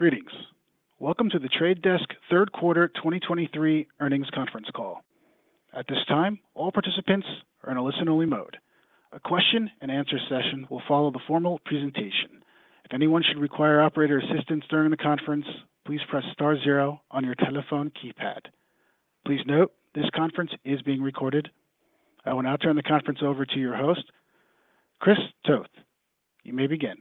Greetings. Welcome to The Trade Desk third quarter 2023 earnings conference call. At this time, all participants are in a listen-only mode. A question and answer session will follow the formal presentation. If anyone should require operator assistance during the conference, please press star zero on your telephone keypad. Please note, this conference is being recorded. I will now turn the conference over to your host, Chris Toth. You may begin.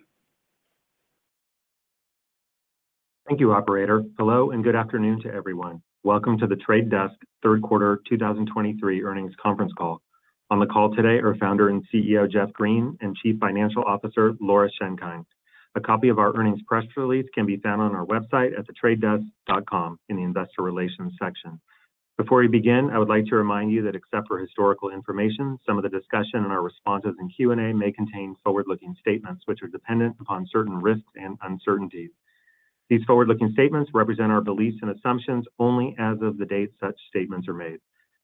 Thank you, operator. Hello, and good afternoon to everyone. Welcome to The Trade Desk third quarter 2023 earnings conference call. On the call today are Founder and CEO Jeff Green and Chief Financial Officer Laura Schenkein. A copy of our earnings press release can be found on our website at thetradedesk.com in the Investor Relations section. Before we begin, I would like to remind you that except for historical information, some of the discussion and our responses in Q&A may contain forward-looking statements, which are dependent upon certain risks and uncertainties. These forward-looking statements represent our beliefs and assumptions only as of the date such statements are made.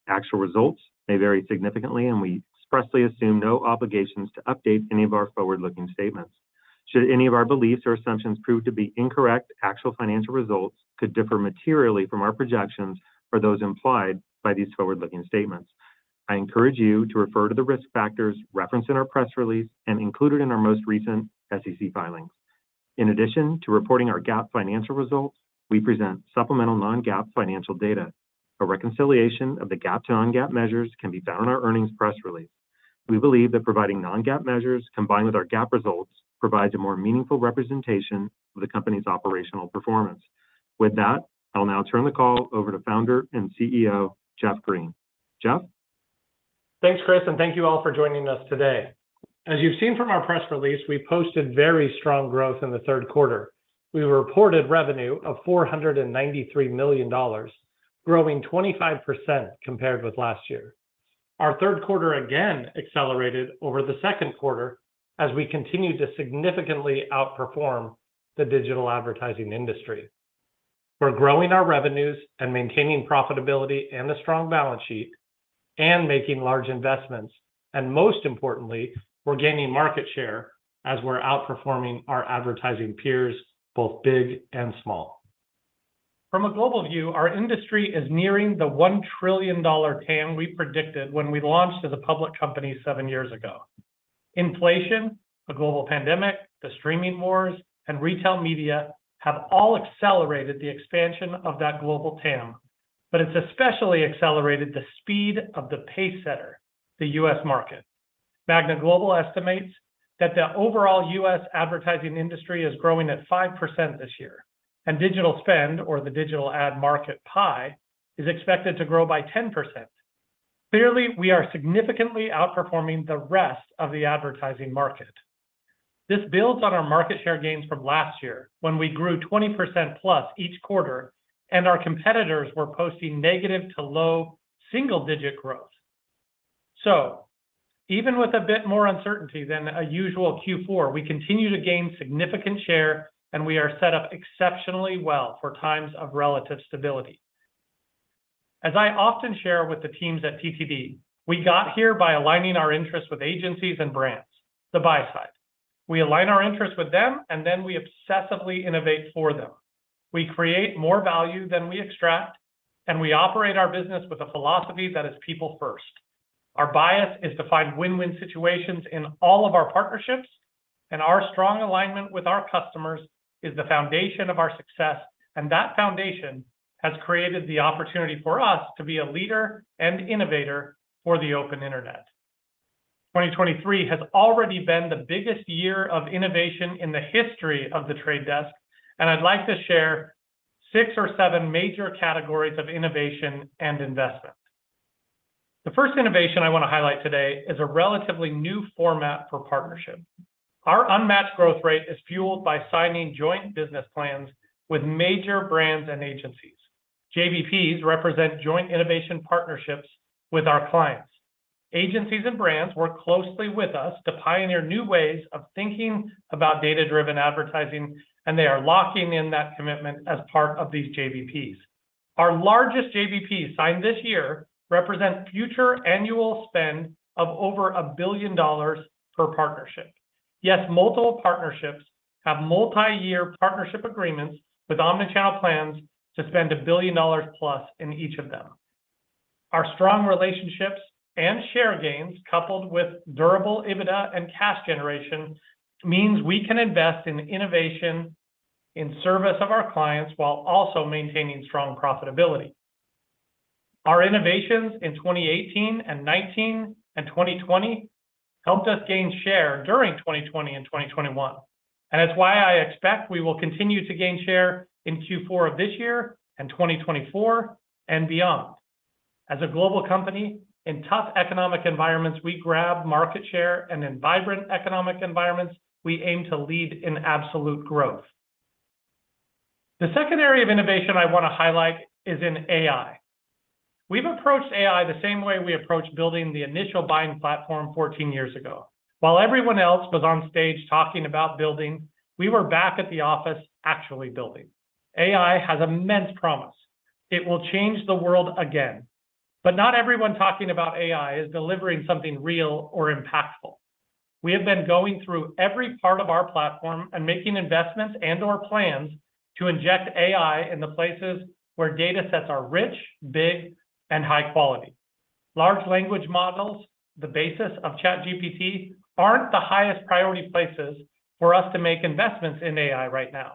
Actual results may vary significantly, and we expressly assume no obligations to update any of our forward-looking statements. Should any of our beliefs or assumptions prove to be incorrect, actual financial results could differ materially from our projections or those implied by these forward-looking statements. I encourage you to refer to the risk factors referenced in our press release and included in our most recent SEC filings. In addition to reporting our GAAP financial results, we present supplemental non-GAAP financial data. A reconciliation of the GAAP to non-GAAP measures can be found in our earnings press release. We believe that providing non-GAAP measures, combined with our GAAP results, provides a more meaningful representation of the company's operational performance. With that, I'll now turn the call over to Founder and CEO, Jeff Green. Jeff? Thanks, Chris, and thank you all for joining us today. As you've seen from our press release, we posted very strong growth in the third quarter. We reported revenue of $493 million, growing 25% compared with last year. Our third quarter again accelerated over the second quarter as we continued to significantly outperform the digital advertising industry. We're growing our revenues and maintaining profitability and a strong balance sheet, and making large investments, and most importantly, we're gaining market share as we're outperforming our advertising peers, both big and small. From a global view, our industry is nearing the $1 trillion TAM we predicted when we launched as a public company seven years ago. Inflation, a global pandemic, the streaming wars, and retail media have all accelerated the expansion of that global TAM, but it's especially accelerated the speed of the pacesetter, the U.S. market. Magna Global estimates that the overall U.S. advertising industry is growing at 5% this year, and digital spend, or the digital ad market pie, is expected to grow by 10%. Clearly, we are significantly outperforming the rest of the advertising market. This builds on our market share gains from last year when we grew 20% plus each quarter, and our competitors were posting negative to low single-digit growth. So even with a bit more uncertainty than a usual Q4, we continue to gain significant share, and we are set up exceptionally well for times of relative stability. As I often share with the teams at TTD, we got here by aligning our interests with agencies and brands, the buy side. We align our interests with them, and then we obsessively innovate for them. We create more value than we extract, and we operate our business with a philosophy that is people first. Our bias is to find win-win situations in all of our partnerships, and our strong alignment with our customers is the foundation of our success, and that foundation has created the opportunity for us to be a leader and innovator for the open internet. 2023 has already been the biggest year of innovation in the history of The Trade Desk, and I'd like to share six or seven major categories of innovation and investment. The first innovation I want to highlight today is a relatively new format for partnership. Our unmatched growth rate is fueled by signing joint business plans with major brands and agencies. JBPs represent joint innovation partnerships with our clients. Agencies and brands work closely with us to pioneer new ways of thinking about data-driven advertising, and they are locking in that commitment as part of these JBPs. Our largest JBP signed this year represents future annual spend of over $1 billion per partnership. Yes, multiple partnerships have multi-year partnership agreements with omnichannel plans to spend $1 billion+ in each of them. Our strong relationships and share gains, coupled with durable EBITDA and cash generation, means we can invest in innovation in service of our clients while also maintaining strong profitability. Our innovations in 2018 and 2019 and 2020 helped us gain share during 2020 and 2021, and it's why I expect we will continue to gain share in Q4 of this year and 2024 and beyond. As a global company, in tough economic environments, we grab market share, and in vibrant economic environments, we aim to lead in absolute growth. The second area of innovation I want to highlight is in AI. We've approached AI the same way we approached building the initial buying platform 14 years ago. While everyone else was on stage talking about building, we were back at the office actually building. AI has immense promise. It will change the world again, but not everyone talking about AI is delivering something real or impactful. We have been going through every part of our platform and making investments and/or plans to inject AI in the places where datasets are rich, big, and high quality. Large language models, the basis of ChatGPT, aren't the highest priority places for us to make investments in AI right now.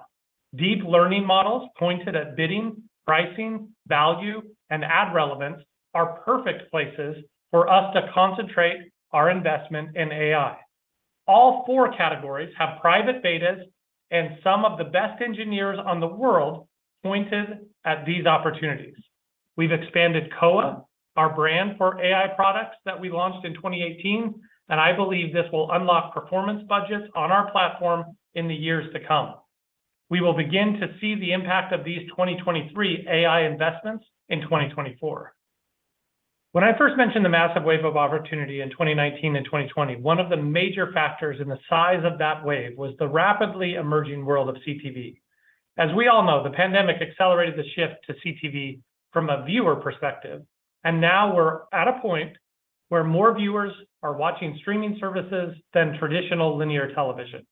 Deep learning models pointed at bidding, pricing, value, and ad relevance are perfect places for us to concentrate our investment in AI. All four categories have private betas, and some of the best engineers in the world pointed at these opportunities. We've expanded Koa, our brand for AI products that we launched in 2018, and I believe this will unlock performance budgets on our platform in the years to come. We will begin to see the impact of these 2023 AI investments in 2024. When I first mentioned the massive wave of opportunity in 2019 and 2020, one of the major factors in the size of that wave was the rapidly emerging world of CTV. As we all know, the pandemic accelerated the shift to CTV from a viewer perspective, and now we're at a point where more viewers are watching streaming services than traditional linear television.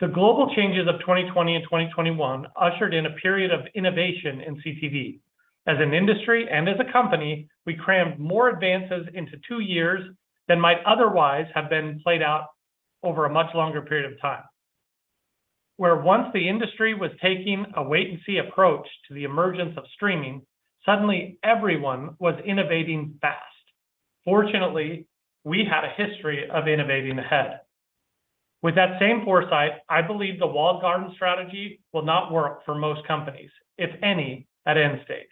The global changes of 2020 and 2021 ushered in a period of innovation in CTV. As an industry and as a company, we crammed more advances into two years than might otherwise have been played out over a much longer period of time. Where once the industry was taking a wait-and-see approach to the emergence of streaming, suddenly everyone was innovating fast. Fortunately, we had a history of innovating ahead. With that same foresight, I believe the Walled Garden strategy will not work for most companies, if any, at end state.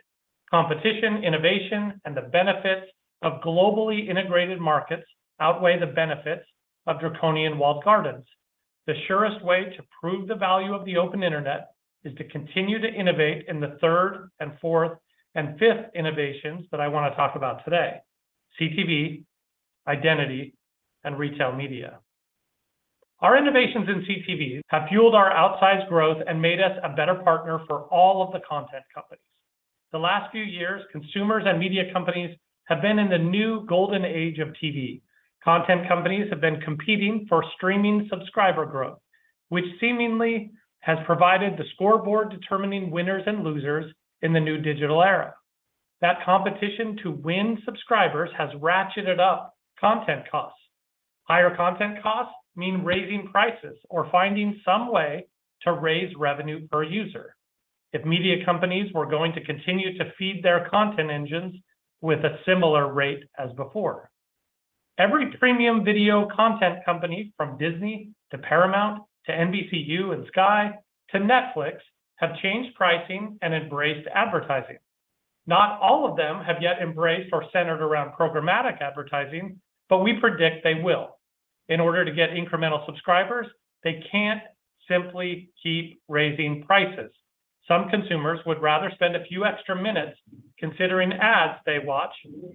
Competition, innovation, and the benefits of globally integrated markets outweigh the benefits of draconian Walled Gardens. The surest way to prove the value of the open internet is to continue to innovate in the third and fourth and fifth innovations that I wanna talk about today: CTV, identity, and retail media. Our innovations in CTV have fueled our outsized growth and made us a better partner for all of the content companies. The last few years, consumers and media companies have been in the new golden age of TV. Content companies have been competing for streaming subscriber growth, which seemingly has provided the scoreboard determining winners and losers in the new digital era. That competition to win subscribers has ratcheted up content costs. Higher content costs mean raising prices or finding some way to raise revenue per user if media companies were going to continue to feed their content engines with a similar rate as before. Every premium video content company, from Disney to Paramount to NBCU and Sky to Netflix, have changed pricing and embraced advertising. Not all of them have yet embraced or centered around programmatic advertising, but we predict they will. In order to get incremental subscribers, they can't simply keep raising prices. Some consumers would rather spend a few extra minutes considering ads they watch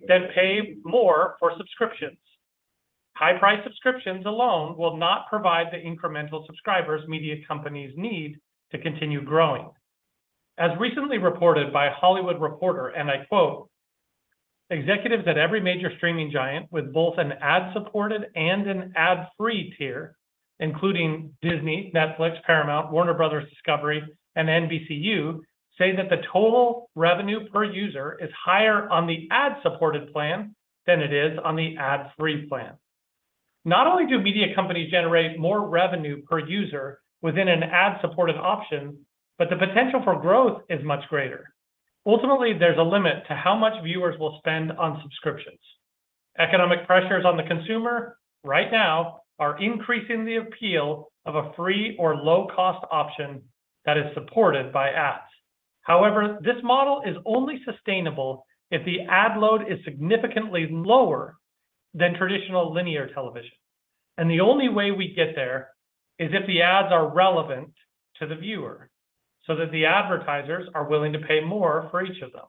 than pay more for subscriptions. High-priced subscriptions alone will not provide the incremental subscribers media companies need to continue growing. As recently reported by Hollywood Reporter, and I quote, "Executives at every major streaming giant with both an ad-supported and an ad-free tier, including Disney, Netflix, Paramount, Warner Bros. Discovery, and NBCU, say that the total revenue per user is higher on the ad-supported plan than it is on the ad-free plan." Not only do media companies generate more revenue per user within an ad-supported option, but the potential for growth is much greater. Ultimately, there's a limit to how much viewers will spend on subscriptions. Economic pressures on the consumer right now are increasing the appeal of a free or low-cost option that is supported by ads. However, this model is only sustainable if the ad load is significantly lower than traditional linear television, and the only way we get there is if the ads are relevant to the viewer so that the advertisers are willing to pay more for each of them.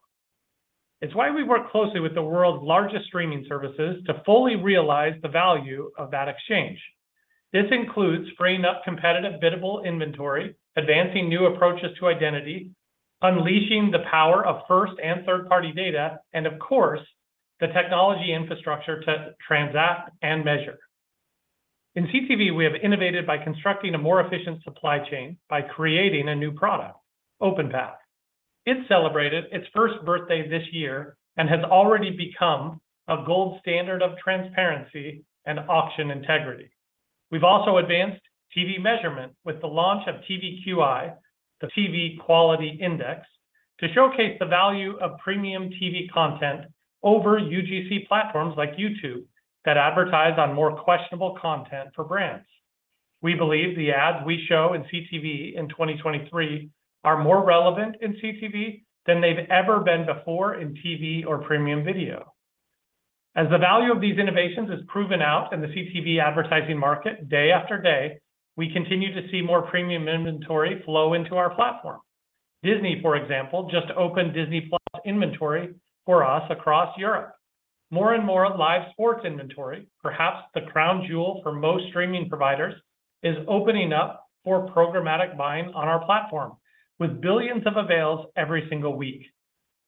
It's why we work closely with the world's largest streaming services to fully realize the value of that exchange. This includes freeing up competitive biddable inventory, advancing new approaches to identity, unleashing the power of first and third-party data, and of course, the technology infrastructure to transact and measure. In CTV, we have innovated by constructing a more efficient supply chain by creating a new product, OpenPath. It celebrated its first birthday this year and has already become a gold standard of transparency and auction integrity. We've also advanced TV measurement with the launch of TVQI, the TV Quality Index, to showcase the value of premium TV content over UGC platforms like YouTube that advertise on more questionable content for brands. We believe the ads we show in CTV in 2023 are more relevant in CTV than they've ever been before in TV or premium video. As the value of these innovations is proven out in the CTV advertising market day after day, we continue to see more premium inventory flow into our platform. Disney, for example, just opened Disney+ inventory for us across Europe. More and more live sports inventory, perhaps the crown jewel for most streaming providers, is opening up for programmatic buying on our platform, with billions of avails every single week.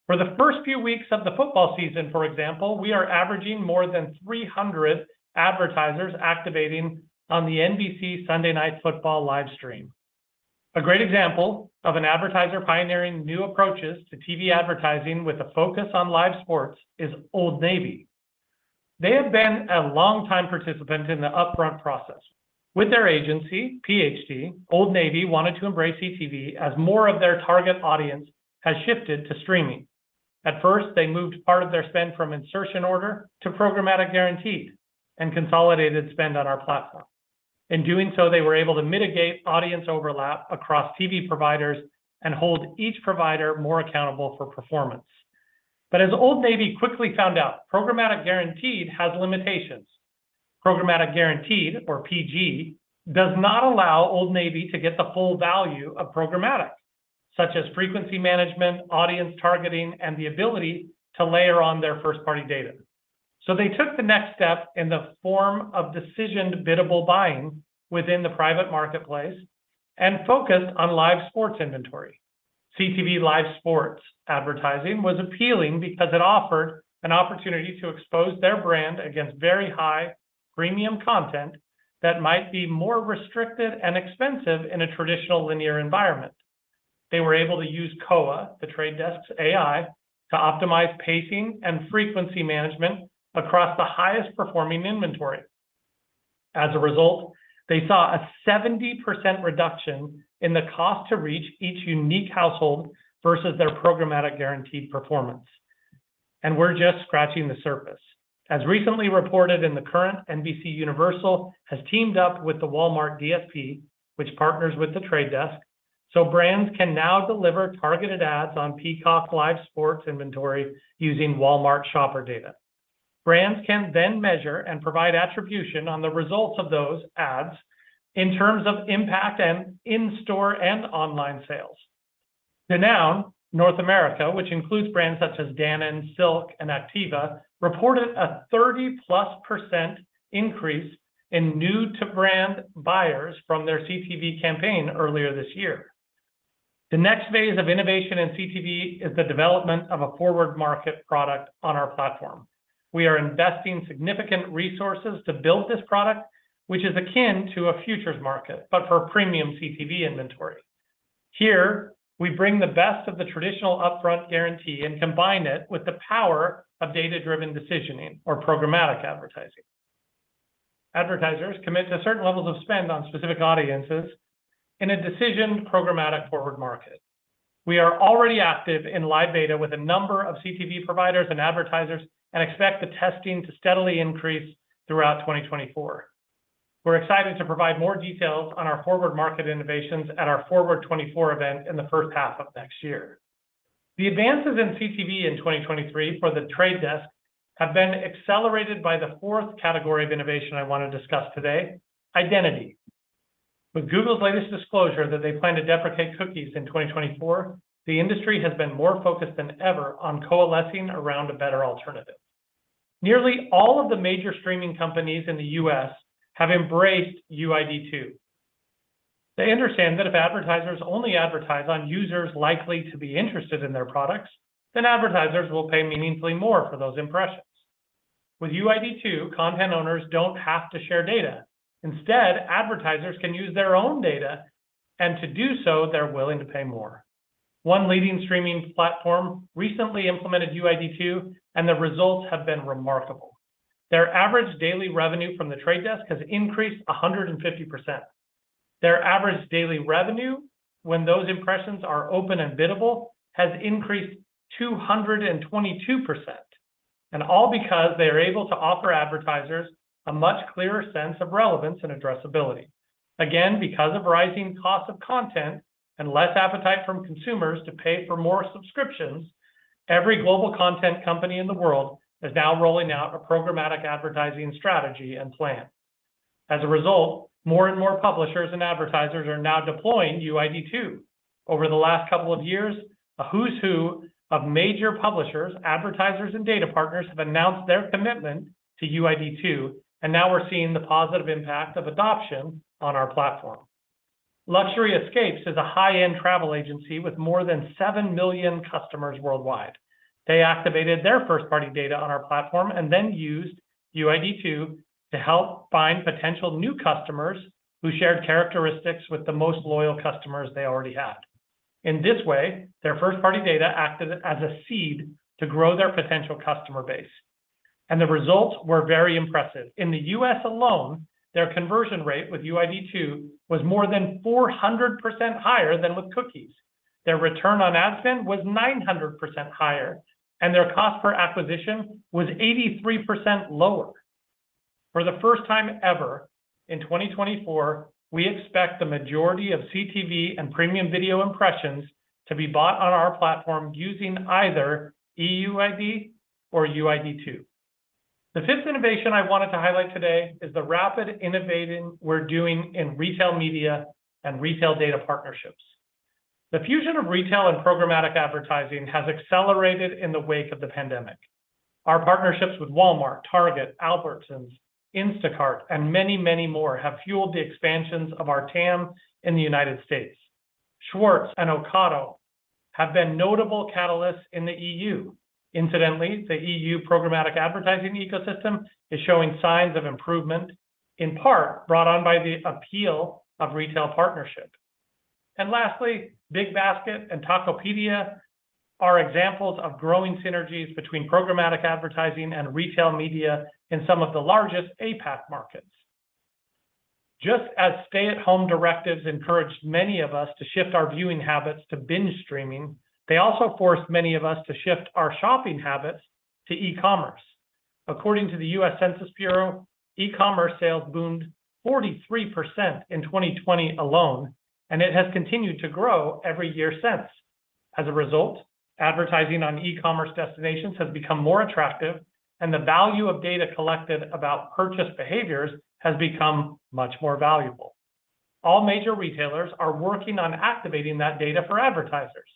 For the first few weeks of the football season, for example, we are averaging more than 300 advertisers activating on the NBC Sunday Night Football live stream. A great example of an advertiser pioneering new approaches to TV advertising with a focus on live sports is Old Navy. They have been a long-time participant in the upfront process. With their agency, PHD, Old Navy wanted to embrace CTV as more of their target audience has shifted to streaming. At first, they moved part of their spend from insertion order to programmatic guaranteed, and consolidated spend on our platform. In doing so, they were able to mitigate audience overlap across TV providers and hold each provider more accountable for performance. As Old Navy quickly found out, Programmatic Guaranteed has limitations. Programmatic Guaranteed, or PG, does not allow Old Navy to get the full value of programmatic, such as frequency management, audience targeting, and the ability to layer on their first-party data. They took the next step in the form of decision biddable buying within the private marketplace and focused on live sports inventory. CTV live sports advertising was appealing because it offered an opportunity to expose their brand against very high premium content that might be more restricted and expensive in a traditional linear environment. They were able to use Koa, The Trade Desk's AI, to optimize pacing and frequency management across the highest-performing inventory. As a result, they saw a 70% reduction in the cost to reach each unique household versus their Programmatic Guaranteed performance, and we're just scratching the surface. As recently reported in The Current, NBCUniversal has teamed up with the Walmart DSP, which partners with The Trade Desk, so brands can now deliver targeted ads on Peacock Live Sports inventory using Walmart shopper data. Brands can then measure and provide attribution on the results of those ads in terms of impact and in-store and online sales. Danone North America, which includes brands such as Danone, Silk, and Activia, reported a 30%+ increase in new-to-brand buyers from their CTV campaign earlier this year. The next phase of innovation in CTV is the development of a Forward Market product on our platform. We are investing significant resources to build this product, which is akin to a futures market, but for premium CTV inventory. Here, we bring the best of the traditional upfront guarantee and combine it with the power of data-driven decisioning or programmatic advertising. Advertisers commit to certain levels of spend on specific audiences in a Decisioned programmatic Forward Market. We are already active in live beta with a number of CTV providers and advertisers, and expect the testing to steadily increase throughout 2024. We're excited to provide more details on our Forward Market innovations at our Forward 24 event in the first half of next year. The advances in CTV in 2023 for The Trade Desk have been accelerated by the fourth category of innovation I want to discuss today: identity. With Google's latest disclosure that they plan to deprecate cookies in 2024, the industry has been more focused than ever on coalescing around a better alternative. Nearly all of the major streaming companies in the U.S. have embraced UID2. They understand that if advertisers only advertise on users likely to be interested in their products, then advertisers will pay meaningfully more for those impressions. With UID2, content owners don't have to share data. Instead, advertisers can use their own data, and to do so, they're willing to pay more. One leading streaming platform recently implemented UID2, and the results have been remarkable. Their average daily revenue from The Trade Desk has increased 150%. Their average daily revenue, when those impressions are open and biddable, has increased 222%, and all because they are able to offer advertisers a much clearer sense of relevance and addressability. Again, because of rising costs of content and less appetite from consumers to pay for more subscriptions, every global content company in the world is now rolling out a programmatic advertising strategy and plan. As a result, more and more publishers and advertisers are now deploying UID2. Over the last couple of years, a who's who of major publishers, advertisers, and data partners have announced their commitment to UID2, and now we're seeing the positive impact of adoption on our platform. Luxury Escapes is a high-end travel agency with more than 7 million customers worldwide. They activated their first-party data on our platform and then used UID2 to help find potential new customers who shared characteristics with the most loyal customers they already had. In this way, their first-party data acted as a seed to grow their potential customer base, and the results were very impressive. In the U.S. alone, their conversion rate with UID2 was more than 400% higher than with cookies. Their return on ad spend was 900% higher, and their cost per acquisition was 83% lower. For the first time ever, in 2024, we expect the majority of CTV and premium video impressions to be bought on our platform using either EUID or UID2. The fifth innovation I wanted to highlight today is the rapid innovating we're doing in retail media and retail data partnerships. The fusion of retail and programmatic advertising has accelerated in the wake of the pandemic.... Our partnerships with Walmart, Target, Albertsons, Instacart, and many, many more have fueled the expansions of our TAM in the United States. Schwarz and Ocado have been notable catalysts in the EU. Incidentally, the EU programmatic advertising ecosystem is showing signs of improvement, in part brought on by the appeal of retail partnership. And lastly, BigBasket and Tokopedia are examples of growing synergies between programmatic advertising and retail media in some of the largest APAC markets. Just as stay-at-home directives encouraged many of us to shift our viewing habits to binge streaming, they also forced many of us to shift our shopping habits to e-commerce. According to the U.S. Census Bureau, e-commerce sales boomed 43% in 2020 alone, and it has continued to grow every year since. As a result, advertising on e-commerce destinations has become more attractive, and the value of data collected about purchase behaviors has become much more valuable. All major retailers are working on activating that data for advertisers,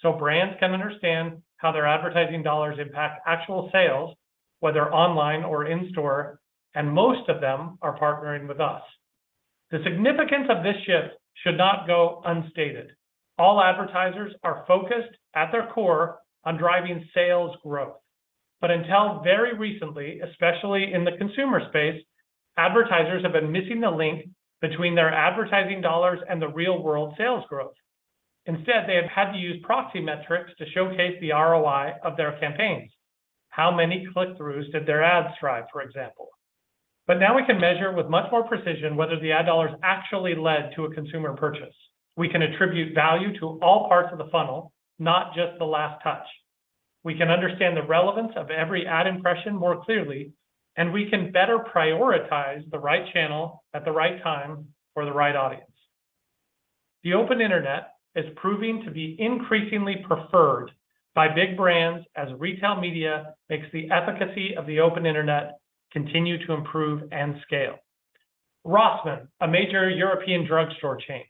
so brands can understand how their advertising dollars impact actual sales, whether online or in-store, and most of them are partnering with us. The significance of this shift should not go unstated. All advertisers are focused at their core on driving sales growth. But until very recently, especially in the consumer space, advertisers have been missing the link between their advertising dollars and the real-world sales growth. Instead, they have had to use proxy metrics to showcase the ROI of their campaigns. How many click-throughs did their ads drive, for example? But now we can measure with much more precision whether the ad dollars actually led to a consumer purchase. We can attribute value to all parts of the funnel, not just the last touch. We can understand the relevance of every ad impression more clearly, and we can better prioritize the right channel at the right time for the right audience. The open internet is proving to be increasingly preferred by big brands as retail media makes the efficacy of the open internet continue to improve and scale. Rossmann, a major European drugstore chain,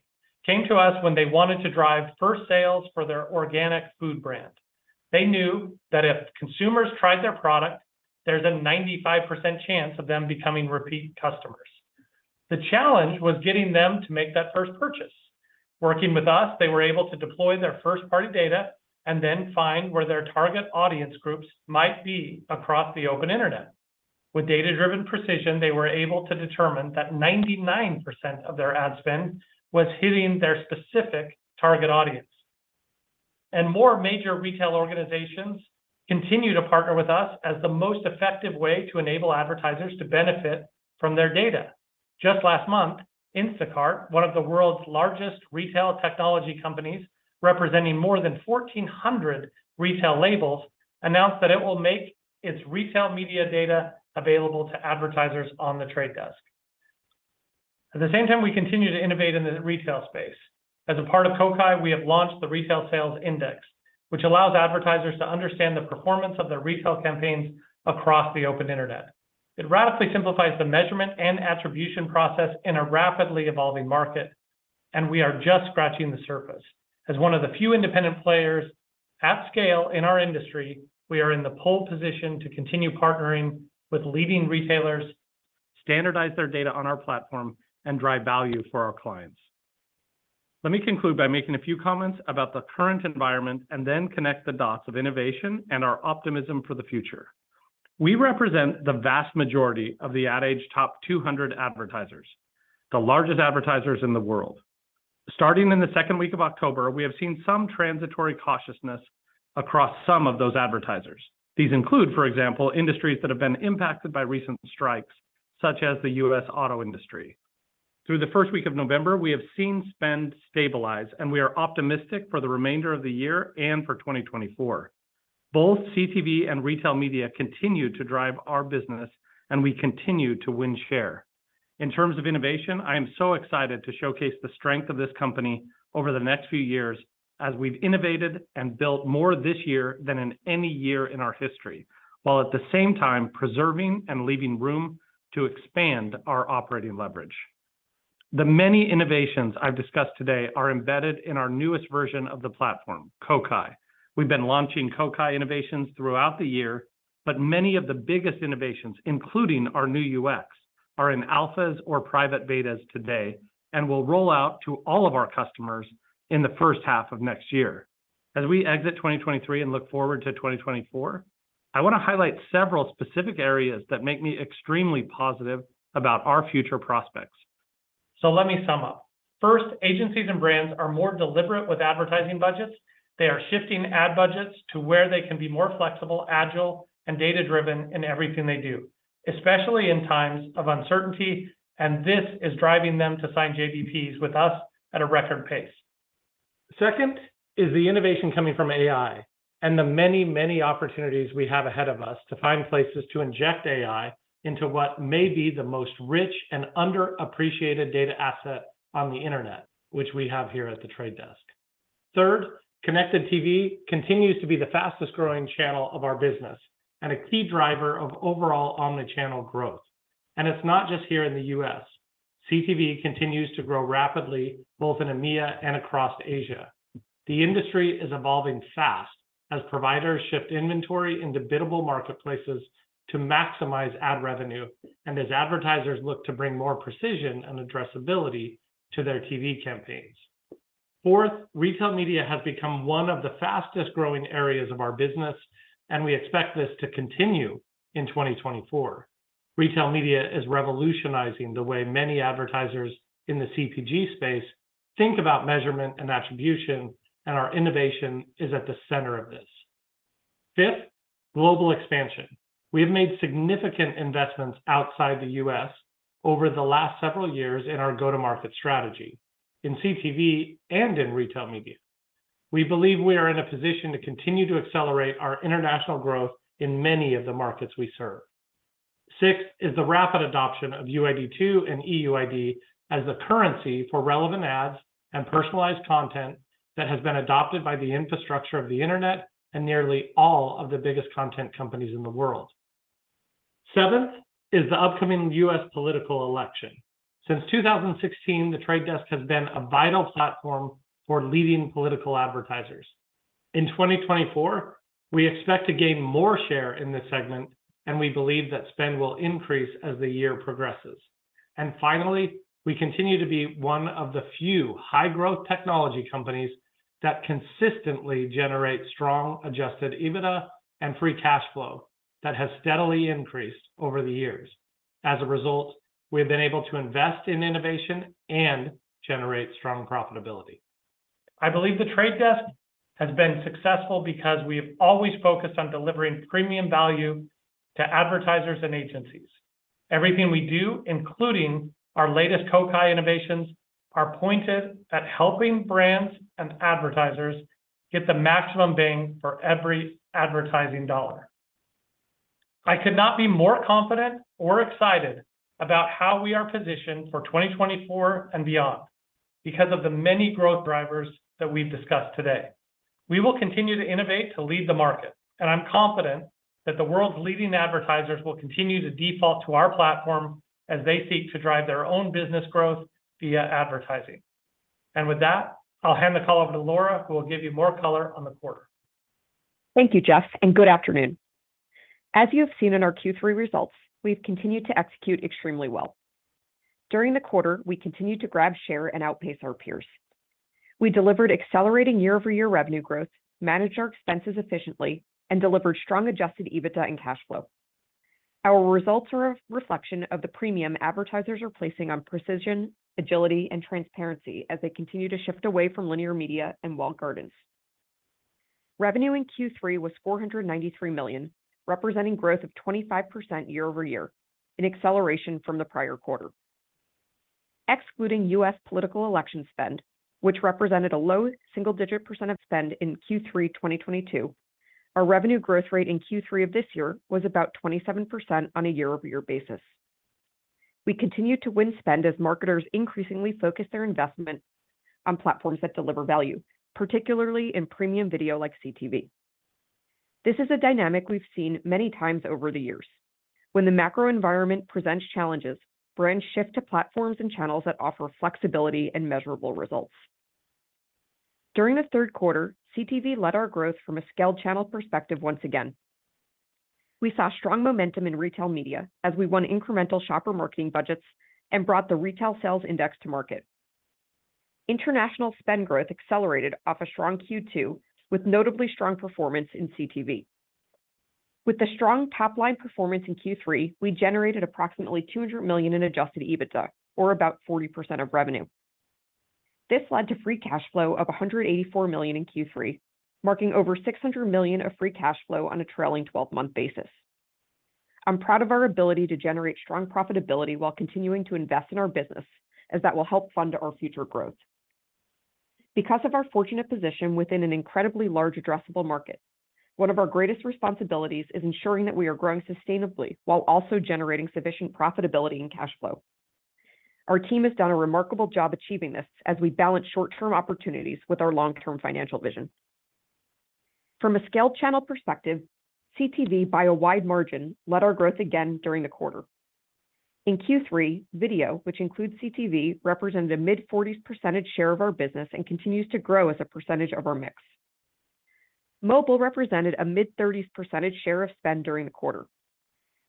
came to us when they wanted to drive first sales for their organic food brand. They knew that if consumers tried their product, there's a 95% chance of them becoming repeat customers. The challenge was getting them to make that first purchase. Working with us, they were able to deploy their first-party data and then find where their target audience groups might be across the open internet. With data-driven precision, they were able to determine that 99% of their ad spend was hitting their specific target audience. And more major retail organizations continue to partner with us as the most effective way to enable advertisers to benefit from their data. Just last month, Instacart, one of the world's largest retail technology companies, representing more than 1,400 retail labels, announced that it will make its retail media data available to advertisers on The Trade Desk. At the same time, we continue to innovate in the retail space. As a part of Kokai, we have launched the Retail Sales Index, which allows advertisers to understand the performance of their retail campaigns across the open internet. It radically simplifies the measurement and attribution process in a rapidly evolving market, and we are just scratching the surface. As one of the few independent players at scale in our industry, we are in the pole position to continue partnering with leading retailers, standardize their data on our platform, and drive value for our clients. Let me conclude by making a few comments about the current environment and then connect the dots of innovation and our optimism for the future. We represent the vast majority of the Ad Age Top 200 advertisers, the largest advertisers in the world. Starting in the second week of October, we have seen some transitory cautiousness across some of those advertisers. These include, for example, industries that have been impacted by recent strikes, such as the U.S. auto industry. Through the first week of November, we have seen spend stabilize, and we are optimistic for the remainder of the year and for 2024. Both CTV and retail media continue to drive our business, and we continue to win share. In terms of innovation, I am so excited to showcase the strength of this company over the next few years as we've innovated and built more this year than in any year in our history, while at the same time preserving and leaving room to expand our operating leverage. The many innovations I've discussed today are embedded in our newest version of the platform, Kokai. We've been launching Kokai innovations throughout the year, but many of the biggest innovations, including our new UX, are in alphas or private betas today and will roll out to all of our customers in the first half of next year. As we exit 2023 and look forward to 2024, I wanna highlight several specific areas that make me extremely positive about our future prospects. So let me sum up. First, agencies and brands are more deliberate with advertising budgets. They are shifting ad budgets to where they can be more flexible, agile, and data-driven in everything they do, especially in times of uncertainty, and this is driving them to sign JBPs with us at a record pace. Second is the innovation coming from AI and the many, many opportunities we have ahead of us to find places to inject AI into what may be the most rich and underappreciated data asset on the internet, which we have here at The Trade Desk. Third, Connected TV continues to be the fastest-growing channel of our business and a key driver of overall omni-channel growth. And it's not just here in the U.S.... CTV continues to grow rapidly, both in EMEA and across Asia. The industry is evolving fast as providers shift inventory into biddable marketplaces to maximize ad revenue, and as advertisers look to bring more precision and addressability to their TV campaigns. Fourth, retail media has become one of the fastest-growing areas of our business, and we expect this to continue in 2024. Retail media is revolutionizing the way many advertisers in the CPG space think about measurement and attribution, and our innovation is at the center of this. Fifth, global expansion. We have made significant investments outside the U.S. over the last several years in our go-to-market strategy, in CTV and in retail media. We believe we are in a position to continue to accelerate our international growth in many of the markets we serve. Sixth is the rapid adoption of UID2 and EUID as the currency for relevant ads and personalized content that has been adopted by the infrastructure of the internet and nearly all of the biggest content companies in the world. Seventh is the upcoming U.S. political election. Since 2016, The Trade Desk has been a vital platform for leading political advertisers. In 2024, we expect to gain more share in this segment, and we believe that spend will increase as the year progresses. And finally, we continue to be one of the few high-growth technology companies that consistently generate strong adjusted EBITDA and free cash flow that has steadily increased over the years. As a result, we've been able to invest in innovation and generate strong profitability. I believe The Trade Desk has been successful because we have always focused on delivering premium value to advertisers and agencies. Everything we do, including our latest Kokai innovations, are pointed at helping brands and advertisers get the maximum bang for every advertising dollar. I could not be more confident or excited about how we are positioned for 2024 and beyond because of the many growth drivers that we've discussed today. We will continue to innovate, to lead the market, and I'm confident that the world's leading advertisers will continue to default to our platform as they seek to drive their own business growth via advertising. With that, I'll hand the call over to Laura, who will give you more color on the quarter. Thank you, Jeff, and good afternoon. As you have seen in our Q3 results, we've continued to execute extremely well. During the quarter, we continued to grab share and outpace our peers. We delivered accelerating year-over-year revenue growth, managed our expenses efficiently, and delivered strong adjusted EBITDA and cash flow. Our results are a reflection of the premium advertisers are placing on precision, agility, and transparency as they continue to shift away from linear media and walled gardens. Revenue in Q3 was $493 million, representing growth of 25% year over year, an acceleration from the prior quarter. Excluding US political election spend, which represented a low single-digit percent of spend in Q3 2022, our revenue growth rate in Q3 of this year was about 27% on a year-over-year basis. We continued to win spend as marketers increasingly focus their investment on platforms that deliver value, particularly in premium video like CTV. This is a dynamic we've seen many times over the years. When the macro environment presents challenges, brands shift to platforms and channels that offer flexibility and measurable results. During the third quarter, CTV led our growth from a scaled channel perspective once again. We saw strong momentum in retail media as we won incremental shopper marketing budgets and brought the Retail Sales Index to market. International spend growth accelerated off a strong Q2, with notably strong performance in CTV. With the strong top-line performance in Q3, we generated approximately $200 million in adjusted EBITDA, or about 40% of revenue. This led to free cash flow of $184 million in Q3, marking over $600 million of free cash flow on a trailing twelve-month basis. I'm proud of our ability to generate strong profitability while continuing to invest in our business, as that will help fund our future growth. Because of our fortunate position within an incredibly large addressable market, one of our greatest responsibilities is ensuring that we are growing sustainably while also generating sufficient profitability and cash flow. Our team has done a remarkable job achieving this as we balance short-term opportunities with our long-term financial vision. From a scale channel perspective, CTV, by a wide margin, led our growth again during the quarter. In Q3, video, which includes CTV, represented a mid-40s percent share of our business and continues to grow as a percentage of our mix. Mobile represented a mid-30s percent share of spend during the quarter.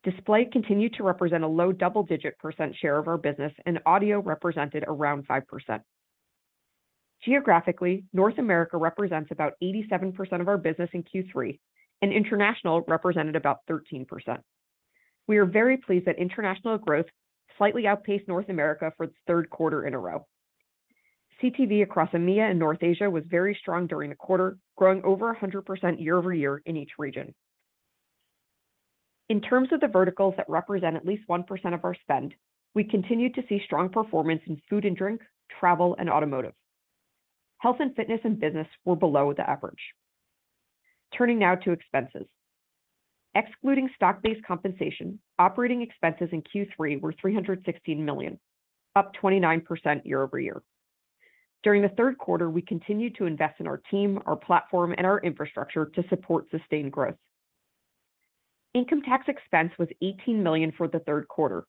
Display continued to represent a low double-digit% share of our business, and audio represented around 5%. Geographically, North America represents about 87% of our business in Q3, and international represented about 13%. We are very pleased that international growth slightly outpaced North America for the third quarter in a row. CTV across EMEA and North Asia was very strong during the quarter, growing over 100% year-over-year in each region. In terms of the verticals that represent at least 1% of our spend, we continued to see strong performance in food and drink, travel, and automotive. Health and fitness and business were below the average. Turning now to expenses. Excluding stock-based compensation, operating expenses in Q3 were $316 million, up 29% year-over-year. During the third quarter, we continued to invest in our team, our platform, and our infrastructure to support sustained growth…. Income tax expense was $18 million for the third quarter,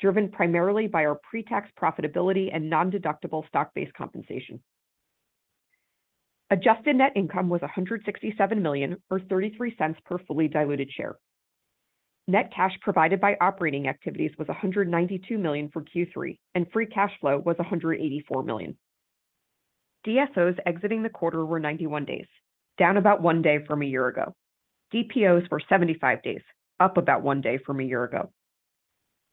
driven primarily by our pre-tax profitability and nondeductible stock-based compensation. Adjusted net income was $167 million, or $0.33 per fully diluted share. Net cash provided by operating activities was $192 million for Q3, and free cash flow was $184 million. DSOs exiting the quarter were 91 days, down about one day from a year ago. DPOs were 75 days, up about one day from a year ago.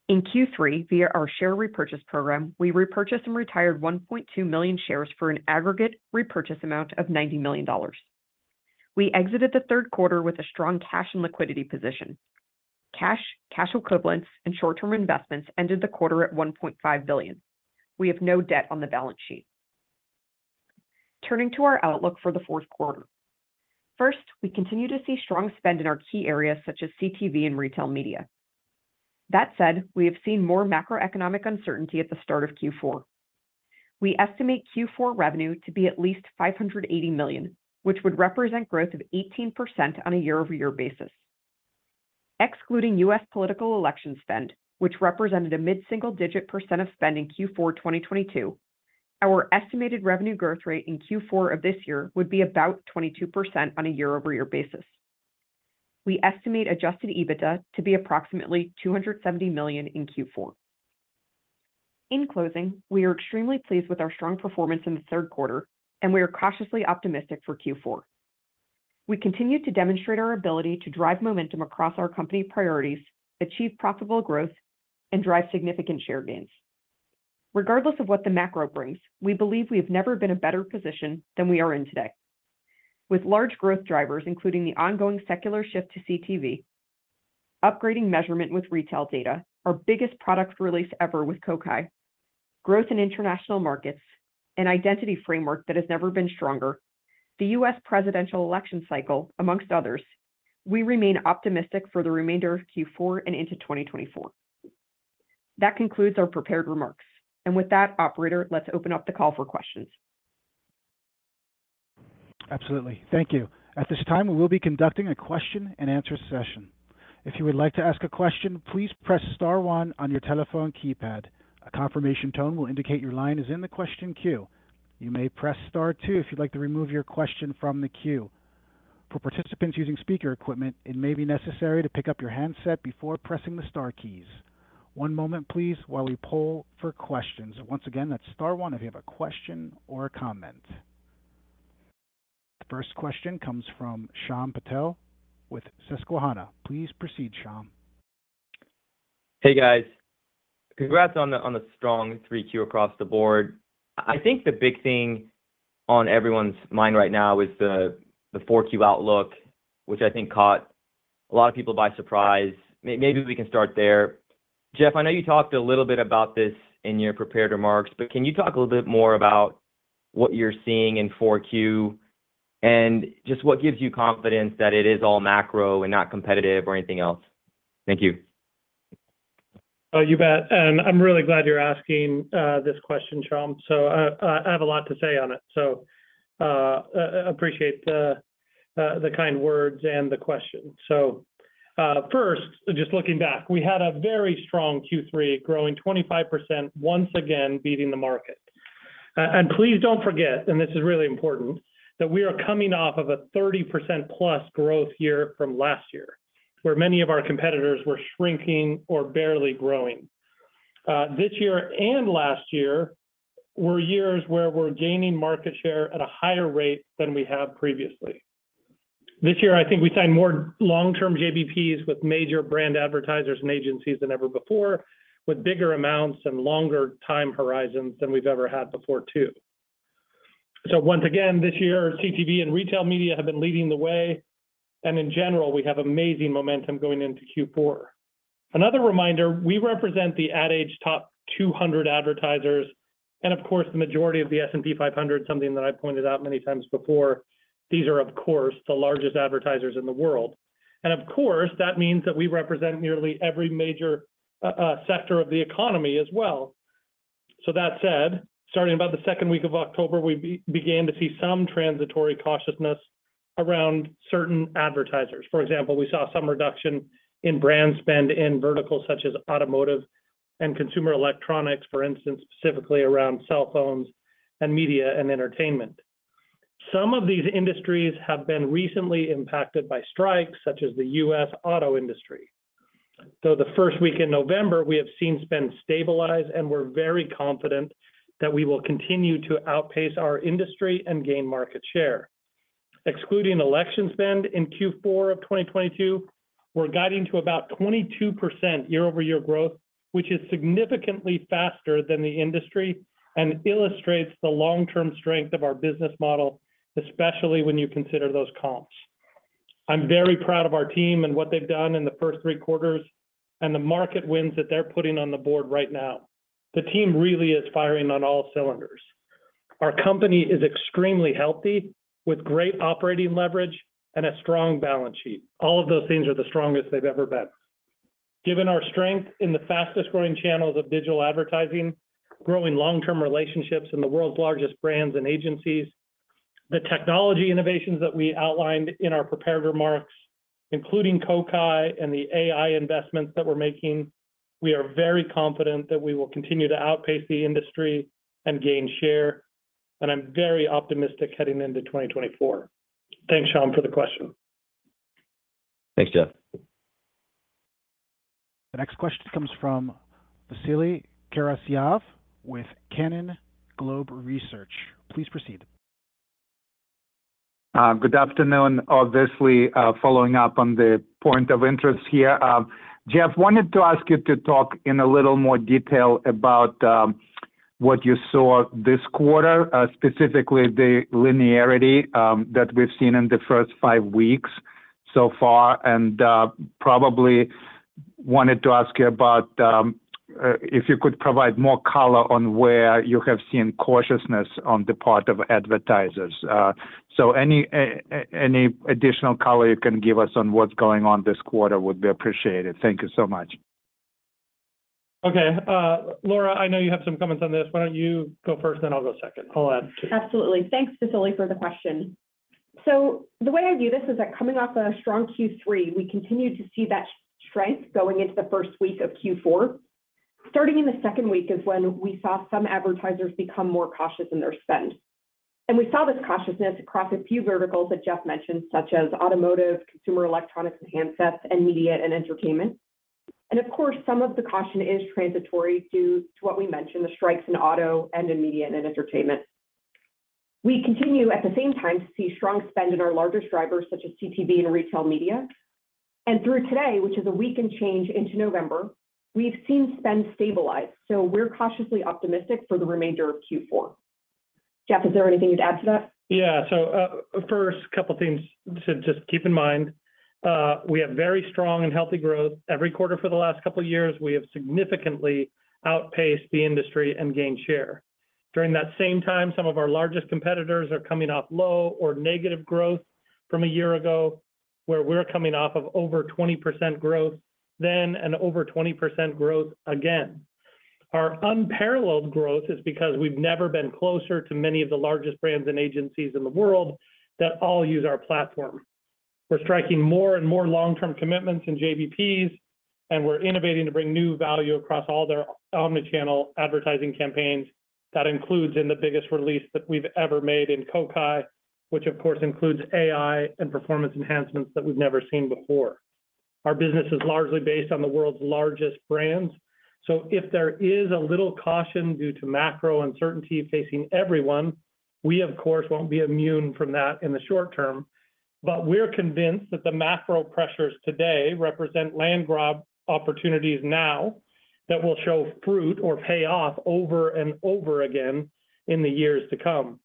In Q3, via our share repurchase program, we repurchased and retired 1.2 million shares for an aggregate repurchase amount of $90 million. We exited the third quarter with a strong cash and liquidity position. Cash, cash equivalents, and short-term investments ended the quarter at $1.5 billion. We have no debt on the balance sheet. Turning to our outlook for the fourth quarter. First, we continue to see strong spend in our key areas, such as CTV and retail media. That said, we have seen more macroeconomic uncertainty at the start of Q4. We estimate Q4 revenue to be at least $580 million, which would represent growth of 18% on a year-over-year basis. Excluding U.S. political election spend, which represented a mid-single-digit percent of spend in Q4 2022, our estimated revenue growth rate in Q4 of this year would be about 22% on a year-over-year basis. We estimate Adjusted EBITDA to be approximately $270 million in Q4. In closing, we are extremely pleased with our strong performance in the third quarter, and we are cautiously optimistic for Q4. We continue to demonstrate our ability to drive momentum across our company priorities, achieve profitable growth, and drive significant share gains. Regardless of what the macro brings, we believe we have never been in a better position than we are in today. With large growth drivers, including the ongoing secular shift to CTV, upgrading measurement with retail data, our biggest product release ever with Kokai, growth in international markets, an identity framework that has never been stronger, the U.S. presidential election cycle, amongst others, we remain optimistic for the remainder of Q4 and into 2024. That concludes our prepared remarks. And with that, operator, let's open up the call for questions. Absolutely. Thank you. At this time, we will be conducting a question-and-answer session. If you would like to ask a question, please press star one on your telephone keypad. A confirmation tone will indicate your line is in the question queue. You may press star two if you'd like to remove your question from the queue. For participants using speaker equipment, it may be necessary to pick up your handset before pressing the star keys. One moment, please, while we poll for questions. Once again, that's star one if you have a question or a comment. The first question comes from Shyam Patil with Susquehanna. Please proceed, Shyam. Hey, guys. Congrats on the strong 3Q across the board. I think the big thing on everyone's mind right now is the 4Q outlook, which I think caught a lot of people by surprise. Maybe we can start there. Jeff, I know you talked a little bit about this in your prepared remarks, but can you talk a little bit more about what you're seeing in 4Q, and just what gives you confidence that it is all macro and not competitive or anything else? Thank you. Oh, you bet. And I'm really glad you're asking this question, Shyam, so I have a lot to say on it. So, I appreciate the kind words and the question. So, first, just looking back, we had a very strong Q3, growing 25%, once again, beating the market. And please don't forget, and this is really important, that we are coming off of a 30%+ growth year from last year, where many of our competitors were shrinking or barely growing. This year and last year were years where we're gaining market share at a higher rate than we have previously. This year, I think we signed more long-term JBPs with major brand advertisers and agencies than ever before, with bigger amounts and longer time horizons than we've ever had before, too. So once again, this year, CTV and retail media have been leading the way, and in general, we have amazing momentum going into Q4. Another reminder, we represent the Ad Age Top 200 advertisers, and of course, the majority of the S&P 500, something that I've pointed out many times before. These are, of course, the largest advertisers in the world. And of course, that means that we represent nearly every major sector of the economy as well. So that said, starting about the second week of October, we began to see some transitory cautiousness around certain advertisers. For example, we saw some reduction in brand spend in verticals such as automotive and consumer electronics, for instance, specifically around cell phones and media and entertainment. Some of these industries have been recently impacted by strikes, such as the U.S. auto industry. Through the first week in November, we have seen spend stabilize, and we're very confident that we will continue to outpace our industry and gain market share. Excluding election spend in Q4 of 2022, we're guiding to about 22% year-over-year growth, which is significantly faster than the industry and illustrates the long-term strength of our business model, especially when you consider those comps. I'm very proud of our team and what they've done in the first three quarters, and the market wins that they're putting on the board right now. The team really is firing on all cylinders. Our company is extremely healthy, with great operating leverage and a strong balance sheet. All of those things are the strongest they've ever been. Given our strength in the fastest growing channels of digital advertising, growing long-term relationships in the world's largest brands and agencies, the technology innovations that we outlined in our prepared remarks, including Kokai and the AI investments that we're making, we are very confident that we will continue to outpace the industry and gain share, and I'm very optimistic heading into 2024. Thanks, Shyam, for the question. Thanks, Jeff. The next question comes from Vasily Karasyov with Cannonball Research. Please proceed. Good afternoon. Obviously, following up on the point of interest here. Jeff, wanted to ask you to talk in a little more detail about what you saw this quarter, specifically the linearity that we've seen in the first five weeks so far. And, probably wanted to ask you about if you could provide more color on where you have seen cautiousness on the part of advertisers. So any additional color you can give us on what's going on this quarter would be appreciated. Thank you so much. Okay. Laura, I know you have some comments on this. Why don't you go first, then I'll go second. I'll add, too. Absolutely. Thanks, Vasily, for the question. So the way I view this is that coming off a strong Q3, we continued to see that strength going into the first week of Q4. Starting in the second week is when we saw some advertisers become more cautious in their spend. And we saw this cautiousness across a few verticals that Jeff mentioned, such as automotive, consumer electronics, and handsets, and media and entertainment. And of course, some of the caution is transitory due to what we mentioned, the strikes in auto and in media and in entertainment. We continue, at the same time, to see strong spend in our larger drivers, such as CTV and retail media. And through today, which is a week and change into November, we've seen spend stabilize, so we're cautiously optimistic for the remainder of Q4. Jeff, is there anything you'd add to that? Yeah. So, first, couple things to just keep in mind. We have very strong and healthy growth. Every quarter for the last couple of years, we have significantly outpaced the industry and gained share. During that same time, some of our largest competitors are coming off low or negative growth from a year ago, where we're coming off of over 20% growth then, and over 20% growth again. Our unparalleled growth is because we've never been closer to many of the largest brands and agencies in the world that all use our platform. We're striking more and more long-term commitments in JBPs, and we're innovating to bring new value across all their omni-channel advertising campaigns. That includes in the biggest release that we've ever made in Kokai, which of course, includes AI and performance enhancements that we've never seen before. Our business is largely based on the world's largest brands, so if there is a little caution due to macro uncertainty facing everyone, we, of course, won't be immune from that in the short term. But we're convinced that the macro pressures today represent land grab opportunities now that will show fruit or pay off over and over again in the years to come.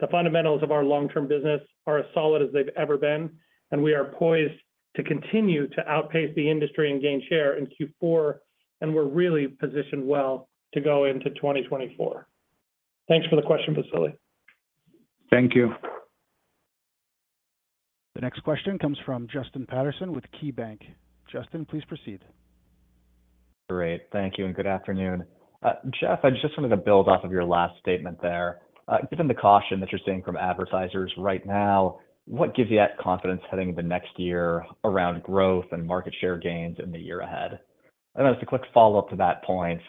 The fundamentals of our long-term business are as solid as they've ever been, and we are poised to continue to outpace the industry and gain share in Q4, and we're really positioned well to go into 2024. Thanks for the question, Vasily. Thank you. The next question comes from Justin Patterson with KeyBanc. Justin, please proceed. Great. Thank you and good afternoon. Jeff, I just wanted to build off of your last statement there. Given the caution that you're seeing from advertisers right now, what gives you that confidence heading into the next year around growth and market share gains in the year ahead? And then just a quick follow-up to that point.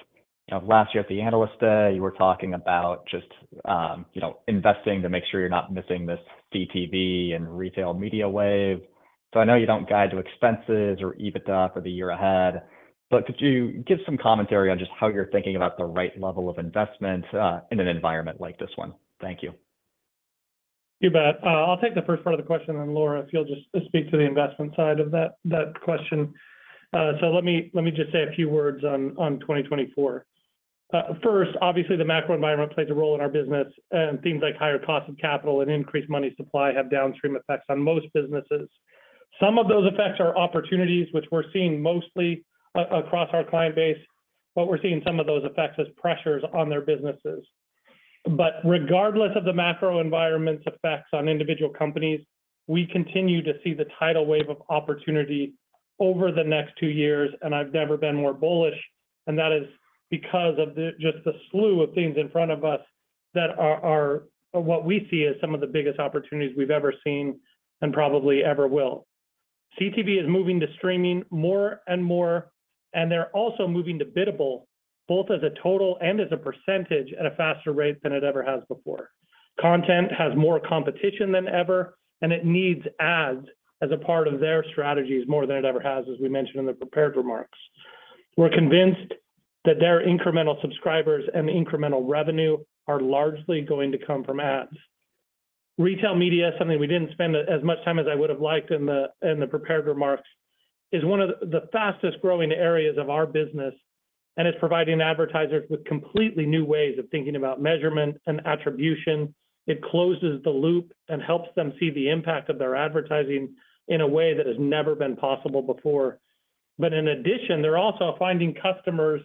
You know, last year at the Analyst Day, you were talking about just, you know, investing to make sure you're not missing this CTV and retail media wave. So I know you don't guide to expenses or EBITDA for the year ahead, but could you give some commentary on just how you're thinking about the right level of investment, in an environment like this one? Thank you. You bet. I'll take the first part of the question, then Laura, if you'll just speak to the investment side of that, that question. So let me just say a few words on 2024. First, obviously, the macro environment plays a role in our business, and things like higher cost of capital and increased money supply have downstream effects on most businesses. Some of those effects are opportunities which we're seeing mostly across our client base, but we're seeing some of those effects as pressures on their businesses. But regardless of the macro environment's effects on individual companies, we continue to see the tidal wave of opportunity over the next two years, and I've never been more bullish, and that is because of the... Just the slew of things in front of us that are what we see as some of the biggest opportunities we've ever seen and probably ever will. CTV is moving to streaming more and more, and they're also moving to biddable, both as a total and as a percentage, at a faster rate than it ever has before. Content has more competition than ever, and it needs ads as a part of their strategies more than it ever has, as we mentioned in the prepared remarks. We're convinced that their incremental subscribers and the incremental revenue are largely going to come from ads. Retail media, something we didn't spend as much time as I would have liked in the prepared remarks, is one of the fastest growing areas of our business, and it's providing advertisers with completely new ways of thinking about measurement and attribution. It closes the loop and helps them see the impact of their advertising in a way that has never been possible before. But in addition, they're also finding customers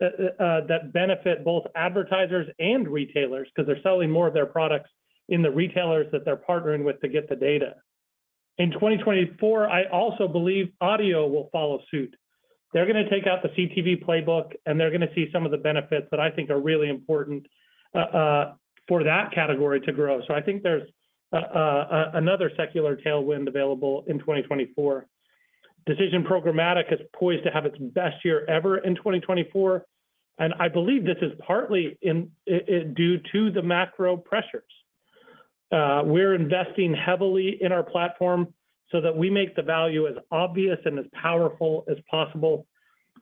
that benefit both advertisers and retailers, because they're selling more of their products in the retailers that they're partnering with to get the data. In 2024, I also believe audio will follow suit. They're gonna take out the CTV playbook, and they're gonna see some of the benefits that I think are really important for that category to grow. So I think there's another secular tailwind available in 2024. Decisioned programmatic is poised to have its best year ever in 2024, and I believe this is partly due to the macro pressures. We're investing heavily in our platform so that we make the value as obvious and as powerful as possible.